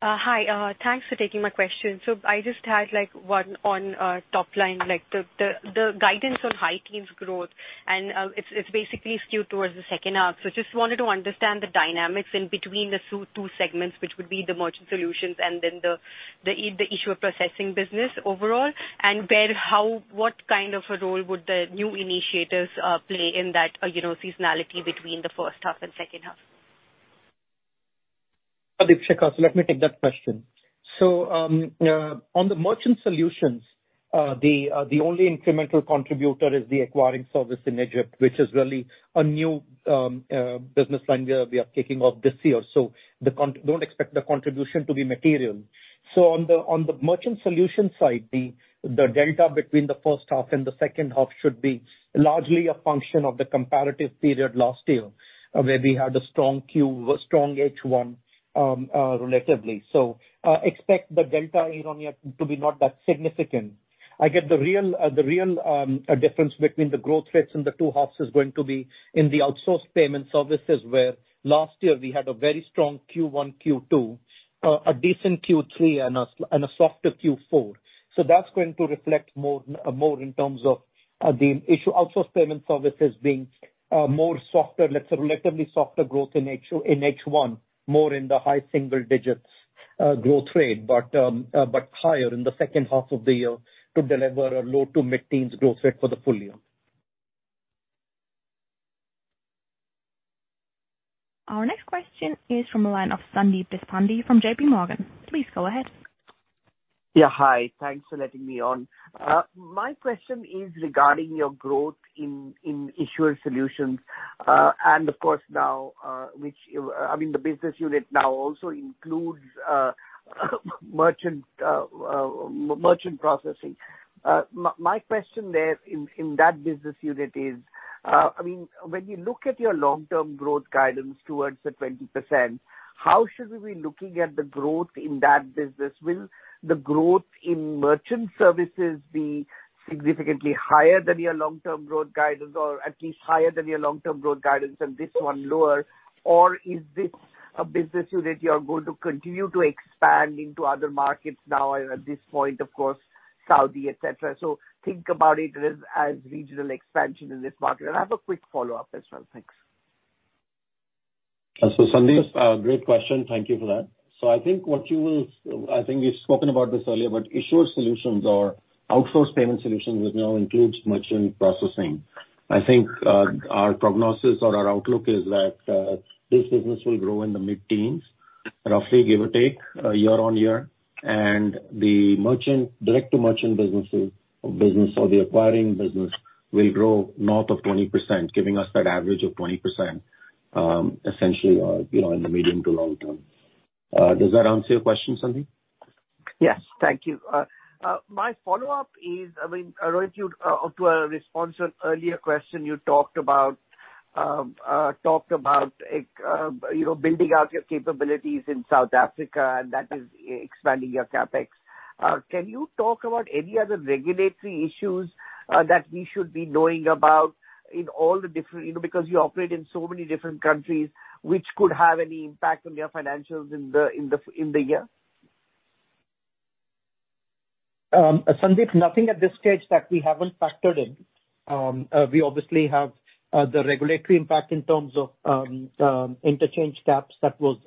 I: Hi. Thanks for taking my question. I just had, like, one on top line, like, the guidance on high teens growth, and it's basically skewed towards the second half. Just wanted to understand the dynamics in between the two segments, which would be the Merchant Solutions and then the issuer processing business overall, and where, how, what kind of a role would the new initiators play in that, you know, seasonality between the first half and second half?
B: Hi, Deepshikha. Let me take that question. On the Merchant Solutions, the only incremental contributor is the acquiring service in Egypt, which is really a new business line we are kicking off this year. Don't expect the contribution to be material. On the Merchant Solutions side, the delta between the first half and the second half should be largely a function of the comparative period last year, where we had a strong Q, strong H1, relatively. Expect the delta in Onya to be not that significant. I get the real, the real difference between the growth rates in the two halves is going to be in the Outsourced Payment Services, where last year we had a very strong Q1, Q2, a decent Q3 and a softer Q4. That's going to reflect more in terms of the issue Outsourced Payment Services being more softer, let's say relatively softer growth in H1, more in the high single digits growth rate, but higher in the second half of the year to deliver a low- to mid-teens growth rate for the full year.
C: Our next question is from the line of Sandeep Deshpande from JPMorgan. Please go ahead.
J: Yeah, hi. Thanks for letting me on. My question is regarding your growth in Issuer Solutions, and of course now, which, I mean, the business unit now also includes merchant processing. My question there in that business unit is, I mean, when you look at your long-term growth guidance towards the 20%, how should we be looking at the growth in that business? Will the growth in Merchant Services be significantly higher than your long-term growth guidance or at least higher than your long-term growth guidance and this one lower? Or is this a business unit you are going to continue to expand into other markets now at this point, of course, Saudi, et cetera? So think about it as regional expansion in this market. I have a quick follow-up as well. Thanks.
A: Sandeep, great question. Thank you for that. I think we've spoken about this earlier, but Issuer Solutions or Outsourced Payment Solutions, which now includes merchant processing. I think our prognosis or our outlook is that this business will grow in the mid-teens, roughly, give or take, year-over-year. The merchant, direct-to-merchant business or the acquiring business will grow north of 20%, giving us that average of 20%, essentially, you know, in the medium to long term. Does that answer your question, Sandeep?
J: Yes. Thank you. My follow-up is, I mean, Rohit, you to a response on earlier question you talked about, talked about, like, you know, building out your capabilities in South Africa, and that is expanding your CapEx. Can you talk about any other regulatory issues, that we should be knowing about in all the different... You know, because you operate in so many different countries, which could have any impact on your financials in the year?
B: Sandeep, nothing at this stage that we haven't factored in. We obviously have the regulatory impact in terms of interchange caps that was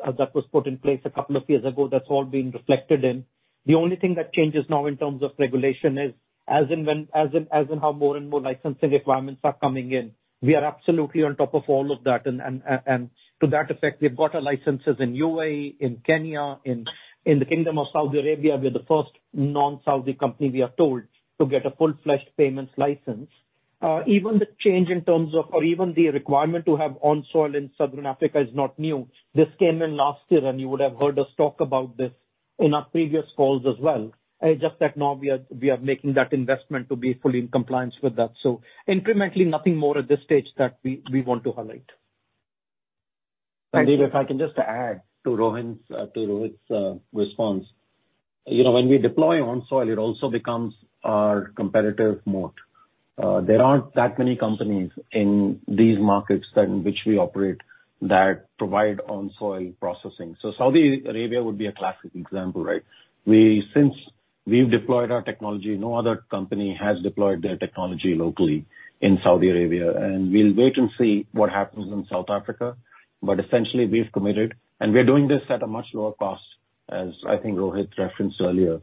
B: put in place 2 years ago. That's all been reflected in. The only thing that changes now in terms of regulation is as in when, as in how more and more licensing requirements are coming in. We are absolutely on top of all of that. To that effect, we've got our licenses in UAE, in Kenya, in the Kingdom of Saudi Arabia. We're the first non-Saudi company, we are told, to get a full-fledged payments license. Even the change in terms of, or even the requirement to have on soil in Southern Africa is not new. This came in last year. You would have heard us talk about this in our previous calls as well. It's just that now we are making that investment to be fully in compliance with that. Incrementally, nothing more at this stage that we want to highlight.
A: Sandeep, if I can just add to Rohit's response. You know, when we deploy on soil, it also becomes our competitive moat. There aren't that many companies in these markets that, in which we operate that provide on soil processing. Saudi Arabia would be a classic example, right?
B: We've deployed our technology. No other company has deployed their technology locally in Saudi Arabia, and we'll wait and see what happens in South Africa. Essentially, we've committed, and we are doing this at a much lower cost, as I think Rohit referenced earlier.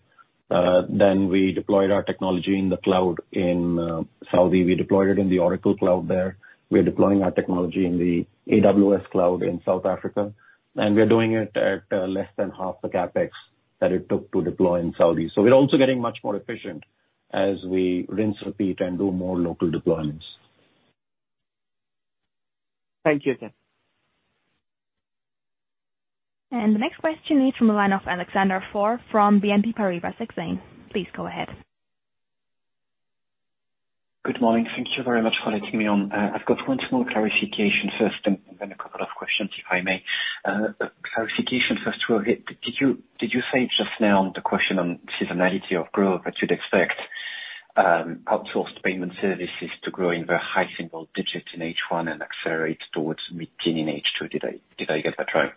B: We deployed our technology in the cloud in Saudi. We deployed it in the Oracle Cloud there. We are deploying our technology in the AWS Cloud in South Africa, and we are doing it at less than half the CapEx that it took to deploy in Saudi. We're also getting much more efficient as we rinse, repeat, and do more local deployments.
K: Thank you, again.
C: The next question is from the line of Alexandre Faure from BNP Paribas Exane. Please go ahead.
K: Good morning. Thank you very much for letting me on. I've got one small clarification first and then a couple of questions, if I may. Clarification first, Rohit. Did you say just now on the question on seasonality of growth that you'd expect, Outsourced Payment Services to grow in the high single digits in H1 and accelerate towards mid-teen in H2? Did I get that right?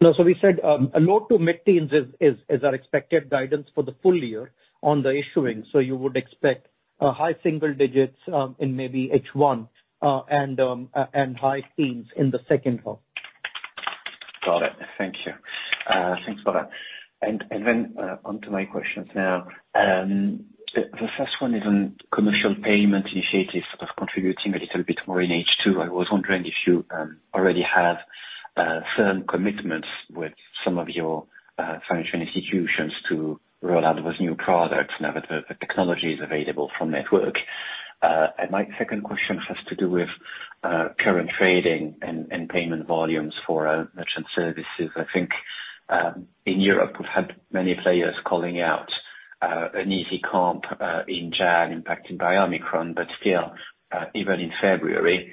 B: No. We said, a low-to-mid teens is our expected guidance for the full year on the issuing. You would expect high single digits in maybe H1 and high teens in the second half.
K: Got it. Thank you. Thanks for that. Then, onto my questions now. The first one is on commercial payment initiatives of contributing a little bit more in H2. I was wondering if you already have firm commitments with some of your financial institutions to roll out those new products now that the technology is available from Network International. My second question has to do with current trading and payment volumes for our Merchant Services. I think, in Europe we've had many players calling out an easy comp in Jan impacted by Omicron, but still, even in February,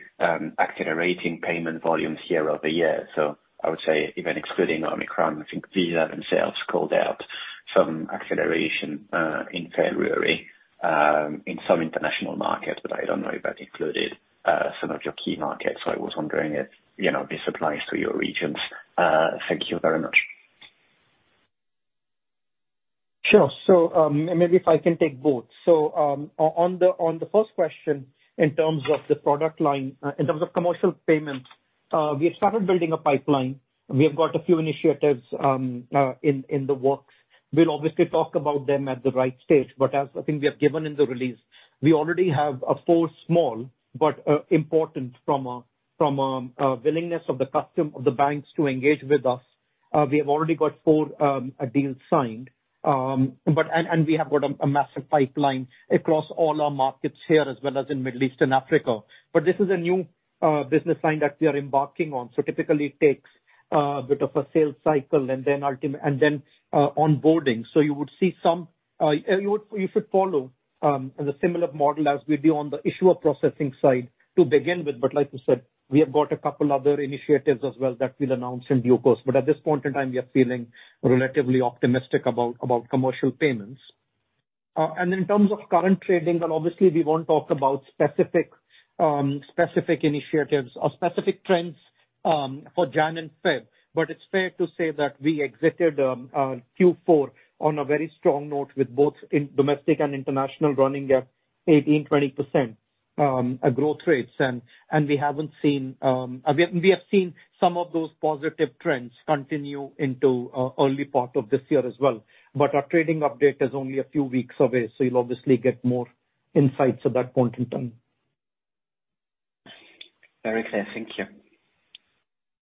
K: accelerating payment volumes year-over-year. I would say even excluding Omicron, I think Visa themselves called out some acceleration in February in some international markets, but I don't know if that included some of your key markets. I was wondering if, you know, this applies to your regions. Thank you very much.
B: Sure. Maybe if I can take both. On the first question, in terms of the product line, in terms of commercial payments, we have started building a pipeline. We have got a few initiatives in the works. We'll obviously talk about them at the right stage, but as I think we have given in the release, we already have 4 small but important from a willingness of the banks to engage with us. We have already got 4 deals signed. We have got a massive pipeline across all our markets here as well as in Middle East and Africa. This is a new business line that we are embarking on, typically it takes a bit of a sales cycle and then onboarding. You would see some, you should follow the similar model as we do on the issuer processing side to begin with. Like we said, we have got a couple other initiatives as well that we'll announce in due course. At this point in time, we are feeling relatively optimistic about commercial payments. In terms of current trading, well, obviously we won't talk about specific initiatives or specific trends for Jan and Feb. It's fair to say that we exited Q4 on a very strong note with both in domestic and international running at 18%-20% growth rates. We have seen some of those positive trends continue into early part of this year as well. Our trading update is only a few weeks away. You'll obviously get more insights at that point in time.
K: Very clear. Thank you.